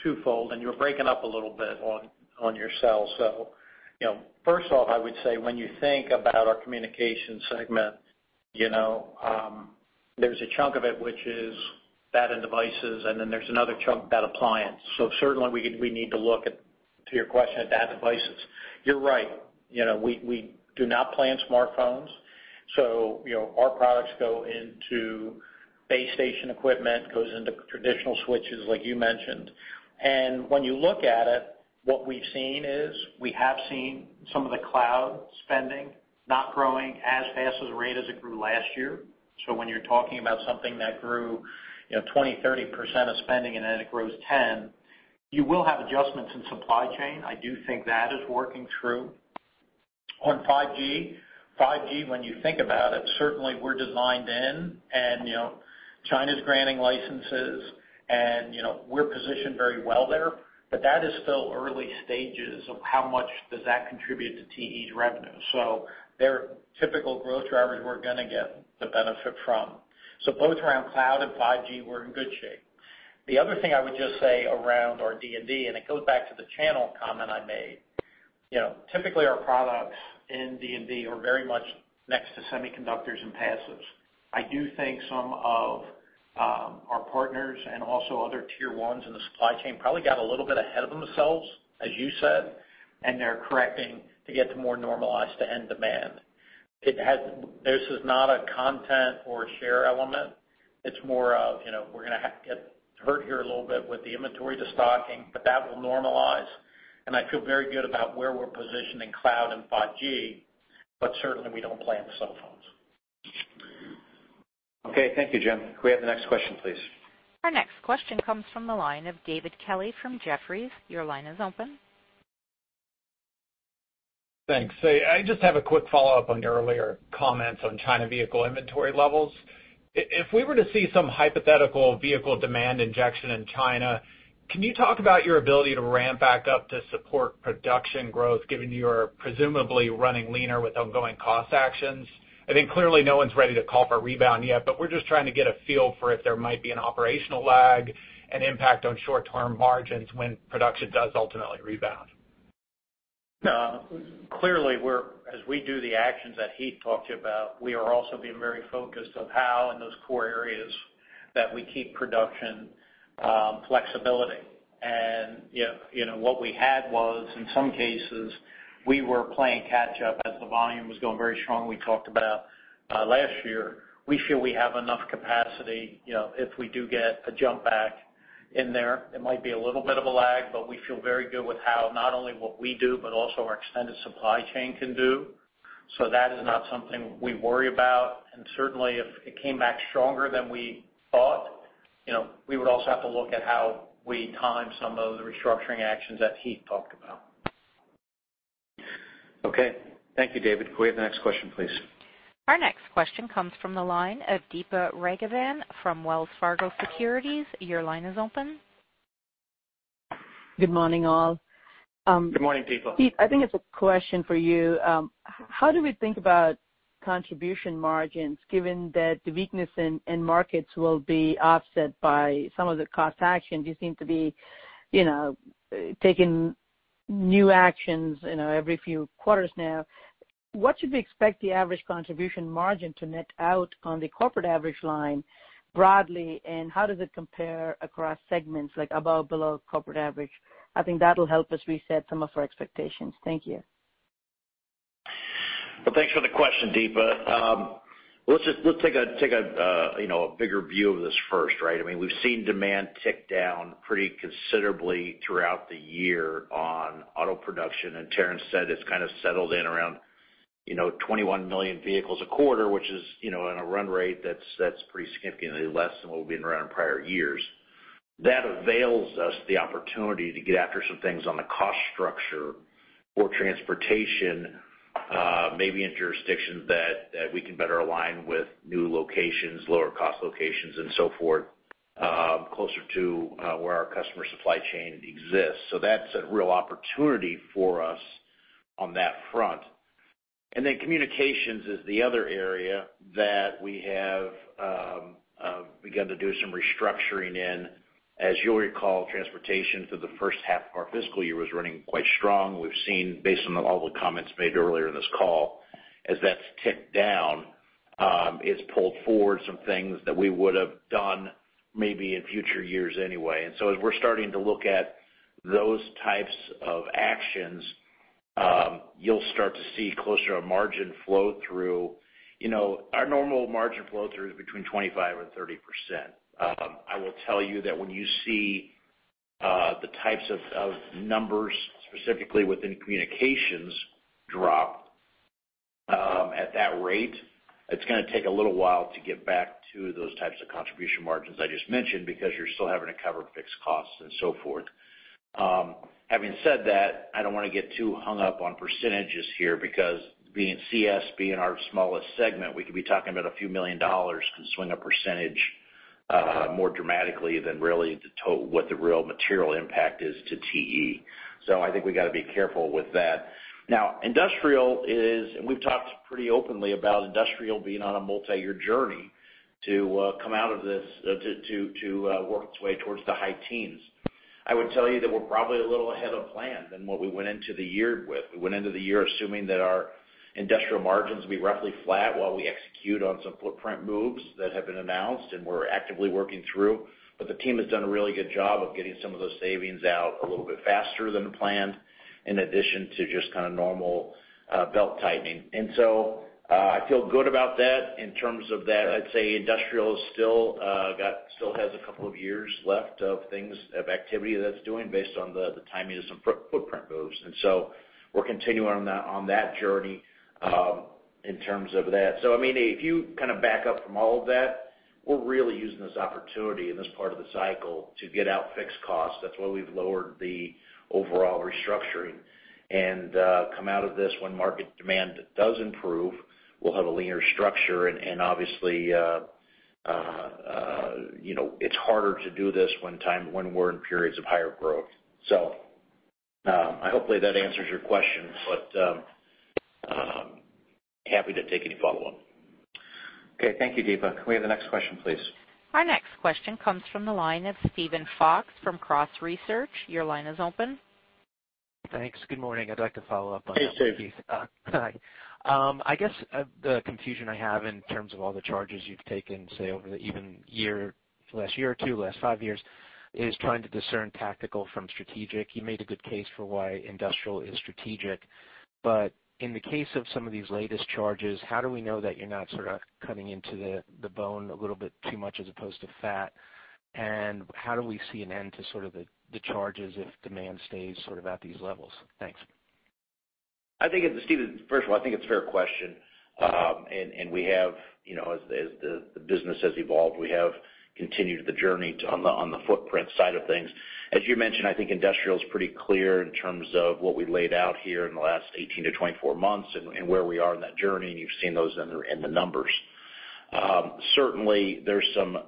segment? Thank you. Hey, Jim, twofold, and you're breaking up a little bit on your cell. So, you know, first off, I would say when you think about our communication segment, you know, there's a chunk of it which is data devices, and then there's another chunk that appliance. So certainly, we need to look at, to your question, at data devices. You're right, you know, we do not plan smartphones, so, you know, our products go into base station equipment, goes into traditional switches, like you mentioned. And when you look at it, what we've seen is, we have seen some of the cloud spending not growing as fast a rate as it grew last year. So when you're talking about something that grew, you know, 20, 30% of spending, and then it grows 10, you will have adjustments in supply chain. I do think that is working through. On 5G. 5G, when you think about it, certainly we're designed in and, you know, China's granting licenses and, you know, we're positioned very well there, but that is still early stages of how much does that contribute to TE's revenue. So they're typical growth drivers we're gonna get the benefit from. So both around cloud and 5G, we're in good shape. The other thing I would just say around our D&D, and it goes back to the channel comment I made, you know, typically, our products in D&D are very much next to semiconductors and passives. I do think some of our partners and also other tier ones in the supply chain probably got a little bit ahead of themselves, as you said, and they're correcting to get to more normalized to end demand. This is not a content or a share element. It's more of, you know, we're gonna get hurt here a little bit with the inventory destocking, but that will normalize, and I feel very good about where we're positioned in cloud and 5G, but certainly, we don't plan the cell phones. Okay. Thank you, Jim. Can we have the next question, please? Our next question comes from the line of David Kelley from Jefferies. Your line is open. Thanks. So I just have a quick follow-up on your earlier comments on China vehicle inventory levels. If, if we were to see some hypothetical vehicle demand injection in China, can you talk about your ability to ramp back up to support production growth, given you're presumably running leaner with ongoing cost actions? I think clearly no one's ready to call for a rebound yet, but we're just trying to get a feel for if there might be an operational lag and impact on short-term margins when production does ultimately rebound. No, clearly, we're as we do the actions that Heath talked about, we are also being very focused on how in those core areas that we keep production, flexibility. Yeah, you know, what we had was, in some cases, we were playing catch up as the volume was going very strong, we talked about, last year. We feel we have enough capacity, you know, if we do get a jump back in there, it might be a little bit of a lag, but we feel very good with how not only what we do, but also our extended supply chain can do. So that is not something we worry about. And certainly, if it came back stronger than we thought, you know, we would also have to look at how we time some of the restructuring actions that Heath talked about. Okay. Thank you, David. Can we have the next question, please? Our next question comes from the line of Deepa Raghavan from Wells Fargo Securities. Your line is open. Good morning, all. Good morning, Deepa. Heath, I think it's a question for you. How do we think about contribution margins, given that the weakness in markets will be offset by some of the cost actions? You seem to be, you know, taking new actions, you know, every few quarters now. What should we expect the average contribution margin to net out on the corporate average line broadly, and how does it compare across segments, like above, below corporate average? I think that'll help us reset some of our expectations. Thank you. Well, thanks for the question, Deepa. Let's take a you know, a bigger view of this first, right? I mean, we've seen demand tick down pretty considerably throughout the year on auto production, and Terrence said it's kind of settled in around, you know, 21 million vehicles a quarter, which is, you know, on a run rate that's pretty significantly less than what we've been around in prior years. That avails us the opportunity to get after some things on the cost structure for transportation, maybe in jurisdictions that we can better align with new locations, lower cost locations and so forth, closer to where our customer supply chain exists. So that's a real opportunity for us on that front. And then communications is the other area that we have begun to do some restructuring in. As you'll recall, transportation for the first half of our fiscal year was running quite strong. We've seen, based on all the comments made earlier in this call, as that's ticked down, it's pulled forward some things that we would have done maybe in future years anyway. And so as we're starting to look at those types of actions, you'll start to see closer a margin flow through. You know, our normal margin flow through is between 25% and 30%. I will tell you that when you see the types of numbers, specifically within communications, drop at that rate, it's going to take a little while to get back to those types of contribution margins I just mentioned, because you're still having to cover fixed costs and so forth. Having said that, I don't want to get too hung up on percentages here, because being CS, being our smallest segment, we could be talking about a few million dollars can swing a percentage more dramatically than really the total what the real material impact is to TE. So I think we got to be careful with that. Now, industrial is, and we've talked pretty openly about industrial being on a multiyear journey to come out of this, to work its way towards the high teens. I would tell you that we're probably a little ahead of plan than what we went into the year with. We went into the year assuming that our industrial margins would be roughly flat while we execute on some footprint moves that have been announced and we're actively working through. But the team has done a really good job of getting some of those savings out a little bit faster than planned, in addition to just kind of normal belt tightening. So, I feel good about that. In terms of that, I'd say industrial still has a couple of years left of things, of activity that it's doing based on the timing of some footprint moves. So we're continuing on that journey, in terms of that. So I mean, if you kind of back up from all of that, we're really using this opportunity in this part of the cycle to get out fixed costs. That's why we've lowered the overall restructuring and come out of this when market demand does improve, we'll have a leaner structure. Obviously, you know, it's harder to do this when we're in periods of higher growth. So, hopefully, that answers your question, but I'm happy to take any follow-up. Okay, thank you, Deepa. Can we have the next question, please? Our next question comes from the line of Steven Fox from Cross Research. Your line is open. Thanks. Good morning. I'd like to follow up on that one, Heath. Hey, Steve. Hi. I guess, the confusion I have in terms of all the charges you've taken, say, over the even year, last year or two, last five years, is trying to discern tactical from strategic. You made a good case for why industrial is strategic, but in the case of some of these latest charges, how do we know that you're not sort of cutting into the, the bone a little bit too much as opposed to fat? And how do we see an end to sort of the, the charges if demand stays sort of at these levels? Thanks. I think it's, Steven, first of all, I think it's a fair question. And we have, you know, as the business has evolved, we have continued the journey to the, on the footprint side of things. As you mentioned, I think industrial is pretty clear in terms of what we laid out here in the last 18-24 months and where we are in that journey, and you've seen those in the numbers. Certainly, there's some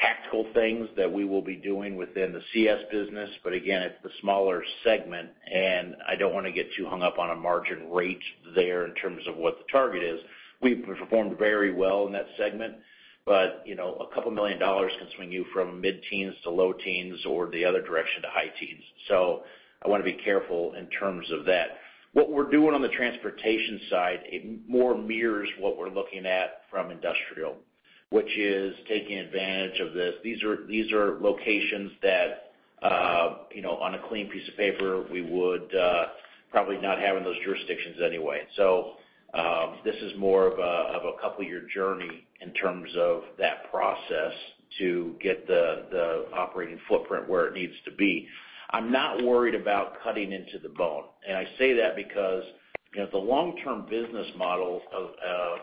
tactical things that we will be doing within the CS business, but again, it's the smaller segment, and I don't want to get too hung up on a margin rate there in terms of what the target is. We've performed very well in that segment, but, you know, a couple million dollars can swing you from mid-teens to low teens or the other direction to high teens. So I want to be careful in terms of that. What we're doing on the Transportation side, it more mirrors what we're looking at from Industrial.... which is taking advantage of this. These are, these are locations that, you know, on a clean piece of paper, we would probably not have in those jurisdictions anyway. So, this is more of a, of a couple year journey in terms of that process to get the, the operating footprint where it needs to be. I'm not worried about cutting into the bone, and I say that because, you know, the long-term business model of,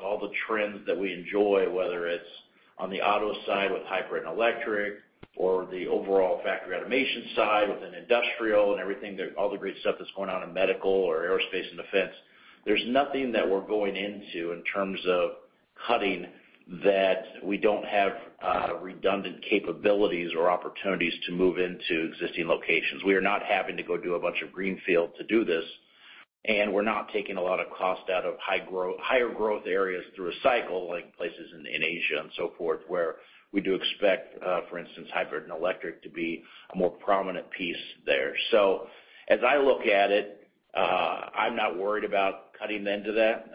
all the trends that we enjoy, whether it's on the auto side with hybrid and electric, or the overall factory automation side within industrial and everything, all the great stuff that's going on in medical or aerospace and defense. There's nothing that we're going into in terms of cutting that we don't have, redundant capabilities or opportunities to move into existing locations. We are not having to go do a bunch of greenfield to do this, and we're not taking a lot of cost out of higher growth areas through a cycle, like places in Asia and so forth, where we do expect, for instance, hybrid and electric to be a more prominent piece there. So as I look at it, I'm not worried about cutting into that.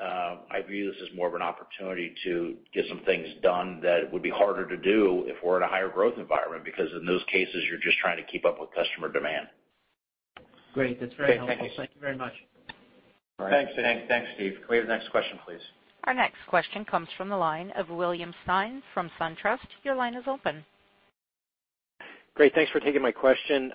I view this as more of an opportunity to get some things done that would be harder to do if we're in a higher growth environment, because in those cases, you're just trying to keep up with customer demand. Great. That's very helpful. Okay, thank you. Thank you very much. All right. Thanks, Heath. Thanks, Steve. Can we have the next question, please? Our next question comes from the line of William Stein from SunTrust. Your line is open. Great, thanks for taking my question.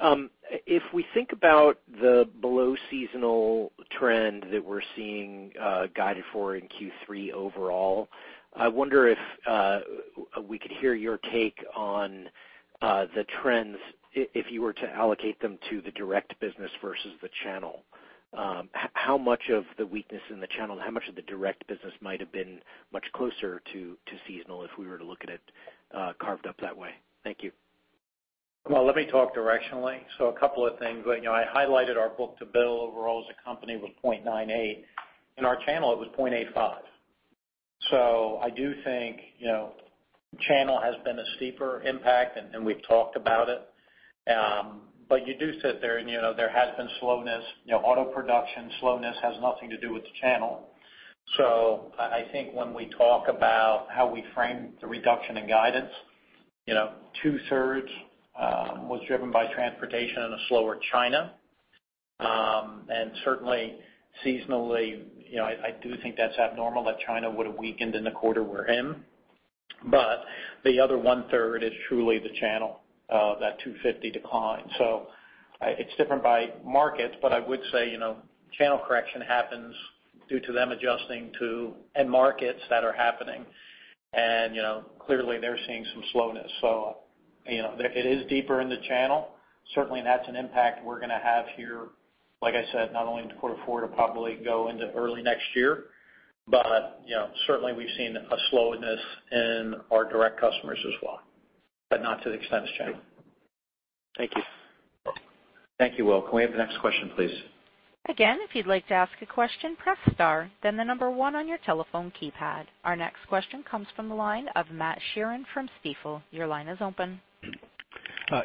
If we think about the below seasonal trend that we're seeing, guided for in Q3 overall, I wonder if we could hear your take on the trends if you were to allocate them to the direct business versus the channel. How much of the weakness in the channel, how much of the direct business might have been much closer to seasonal if we were to look at it carved up that way? Thank you. Well, let me talk directionally. So a couple of things. You know, I highlighted our book-to-bill overall as a company with 0.98. In our channel, it was 0.85. So I do think, you know, channel has been a steeper impact, and we've talked about it. But you do sit there and, you know, there has been slowness. You know, auto production slowness has nothing to do with the channel. So I think when we talk about how we frame the reduction in guidance, you know, two-thirds was driven by transportation and a slower China. And certainly seasonally, you know, I do think that's abnormal, that China would have weakened in the quarter we're in. But the other one-third is truly the channel, that $250 decline. So it's different by market, but I would say, you know, channel correction happens due to them adjusting to, and markets that are happening. And, you know, clearly, they're seeing some slowness. So, you know, it is deeper in the channel. Certainly, that's an impact we're gonna have here, like I said, not only in the quarter four, to probably go into early next year, but, you know, certainly we've seen a slowness in our direct customers as well, but not to the extent as China. Thank you. Thank you, Will. Can we have the next question, please? Again, if you'd like to ask a question, press star, then the number one on your telephone keypad. Our next question comes from the line of Matt Sheerin from Stifel. Your line is open.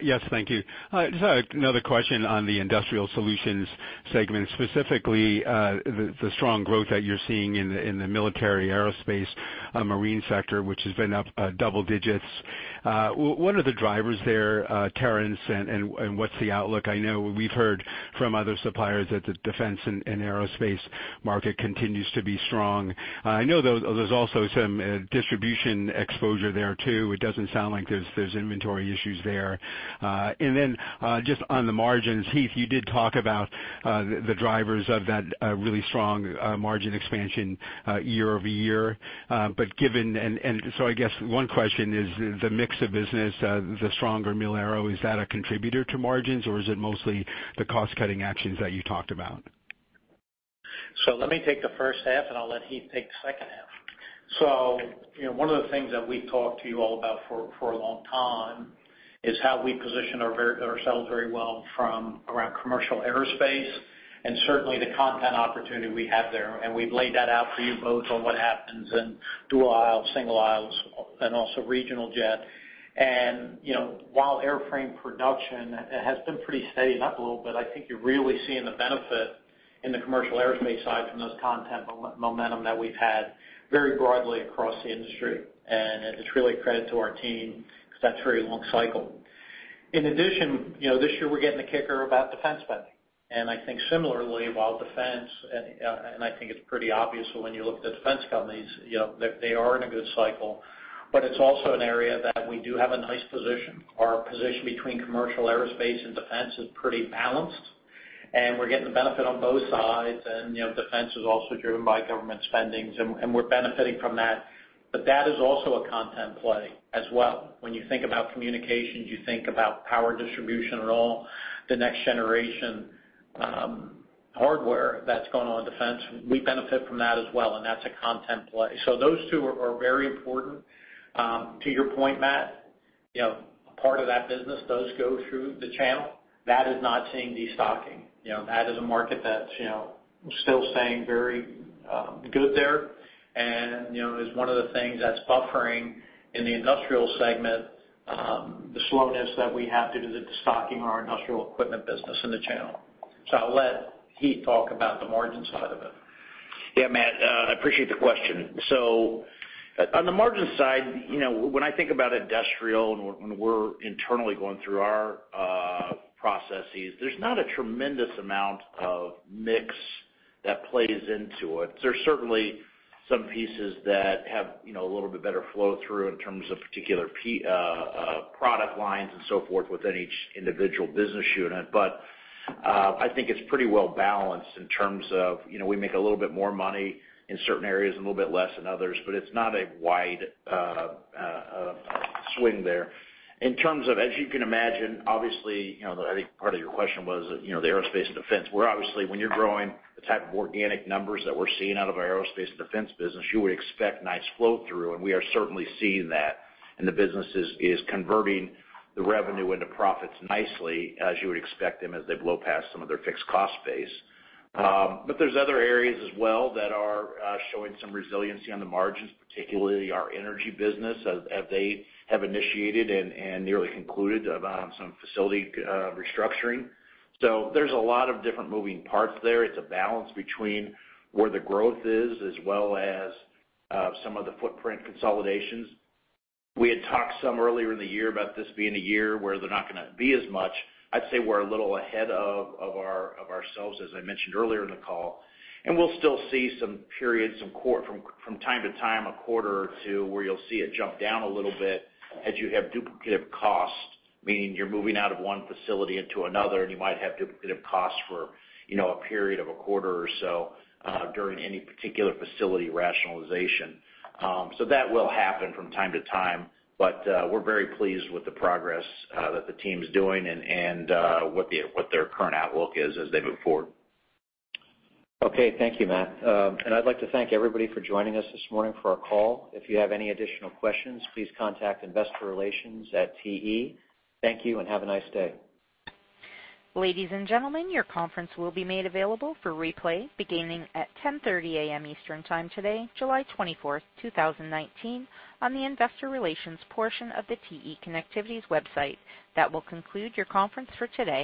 Yes, thank you. Just another question on the industrial solutions segment, specifically, the strong growth that you're seeing in the military, aerospace, marine sector, which has been up double digits. What are the drivers there, Terrence, and what's the outlook? I know we've heard from other suppliers that the Defense and Aerospace market continues to be strong. I know there's also some distribution exposure there, too. It doesn't sound like there's inventory issues there. And then, just on the margins, Heath, you did talk about the drivers of that really strong margin expansion year-over-year. But given... So I guess one question is the mix of business, the stronger mil-aero, is that a contributor to margins, or is it mostly the cost-cutting actions that you talked about? So let me take the first half, and I'll let Heath take the second half. So, you know, one of the things that we've talked to you all about for, for a long time is how we position ourselves very well from around commercial aerospace and certainly the content opportunity we have there. And we've laid that out for you both on what happens in dual aisle, single aisles, and also regional jet. And, you know, while airframe production has been pretty steady and up a little bit, I think you're really seeing the benefit in the commercial aerospace side from those content momentum that we've had very broadly across the industry. And it's really a credit to our team because that's a very long cycle. In addition, you know, this year, we're getting a kicker about defense spending. And I think similarly, while Defense, and I think it's pretty obvious when you look at the defense companies, you know, they, they are in a good cycle, but it's also an area that we do have a nice position. Our position between commercial Aerospace and Defense is pretty balanced, and we're getting the benefit on both sides. And, you know, Defense is also driven by government spending, and, and we're benefiting from that. But that is also a content play as well. When you think about communications, you think about power distribution and all the next generation, hardware that's going on in defense, we benefit from that as well, and that's a content play. So those two are, are very important. To your point, Matt, you know, part of that business does go through the channel. That is not seeing destocking. You know, that is a market that's, you know, still staying very good there. You know, is one of the things that's buffering in the industrial segment, the slowness that we have due to the destocking our industrial equipment business in the channel. I'll let Heath talk about the margin side of it. Yeah, Matt, I appreciate the question. So on the margin side, you know, when I think about industrial and when we're internally going through our processes, there's not a tremendous amount of mix that plays into it. There's certainly some pieces that have, you know, a little bit better flow through in terms of particular product lines and so forth within each individual business unit. But I think it's pretty well balanced in terms of, you know, we make a little bit more money in certain areas, a little bit less in others, but it's not a wide swing there. In terms of, as you can imagine, obviously, you know, I think part of your question was, you know, the Aerospace and Defense, where obviously, when you're growing the type of organic numbers that we're seeing out of our aerospace and defense business, you would expect nice flow through, and we are certainly seeing that, and the business is converting the revenue into profits nicely, as you would expect them, as they blow past some of their fixed cost base. But there's other areas as well that are showing some resiliency on the margins, particularly our energy business, as they have initiated and nearly concluded on some facility restructuring. So there's a lot of different moving parts there. It's a balance between where the growth is as well as some of the footprint consolidations. We had talked some earlier in the year about this being a year where they're not gonna be as much. I'd say we're a little ahead of ourselves, as I mentioned earlier in the call, and we'll still see some periods from time to time, a quarter or two, where you'll see it jump down a little bit as you have duplicative costs, meaning you're moving out of one facility into another, and you might have duplicative costs for, you know, a period of a quarter or so during any particular facility rationalization. So that will happen from time to time, but we're very pleased with the progress that the team's doing and what their current outlook is as they move forward. Okay. Thank you, Matt. I'd like to thank everybody for joining us this morning for our call. If you have any additional questions, please contact Investor Relations at TE. Thank you, and have a nice day. Ladies and gentlemen, your conference will be made available for replay beginning at 10:30 A.M. Eastern Time today, July 24, 2019, on the Investor Relations portion of the TE Connectivity's website. That will conclude your conference for today.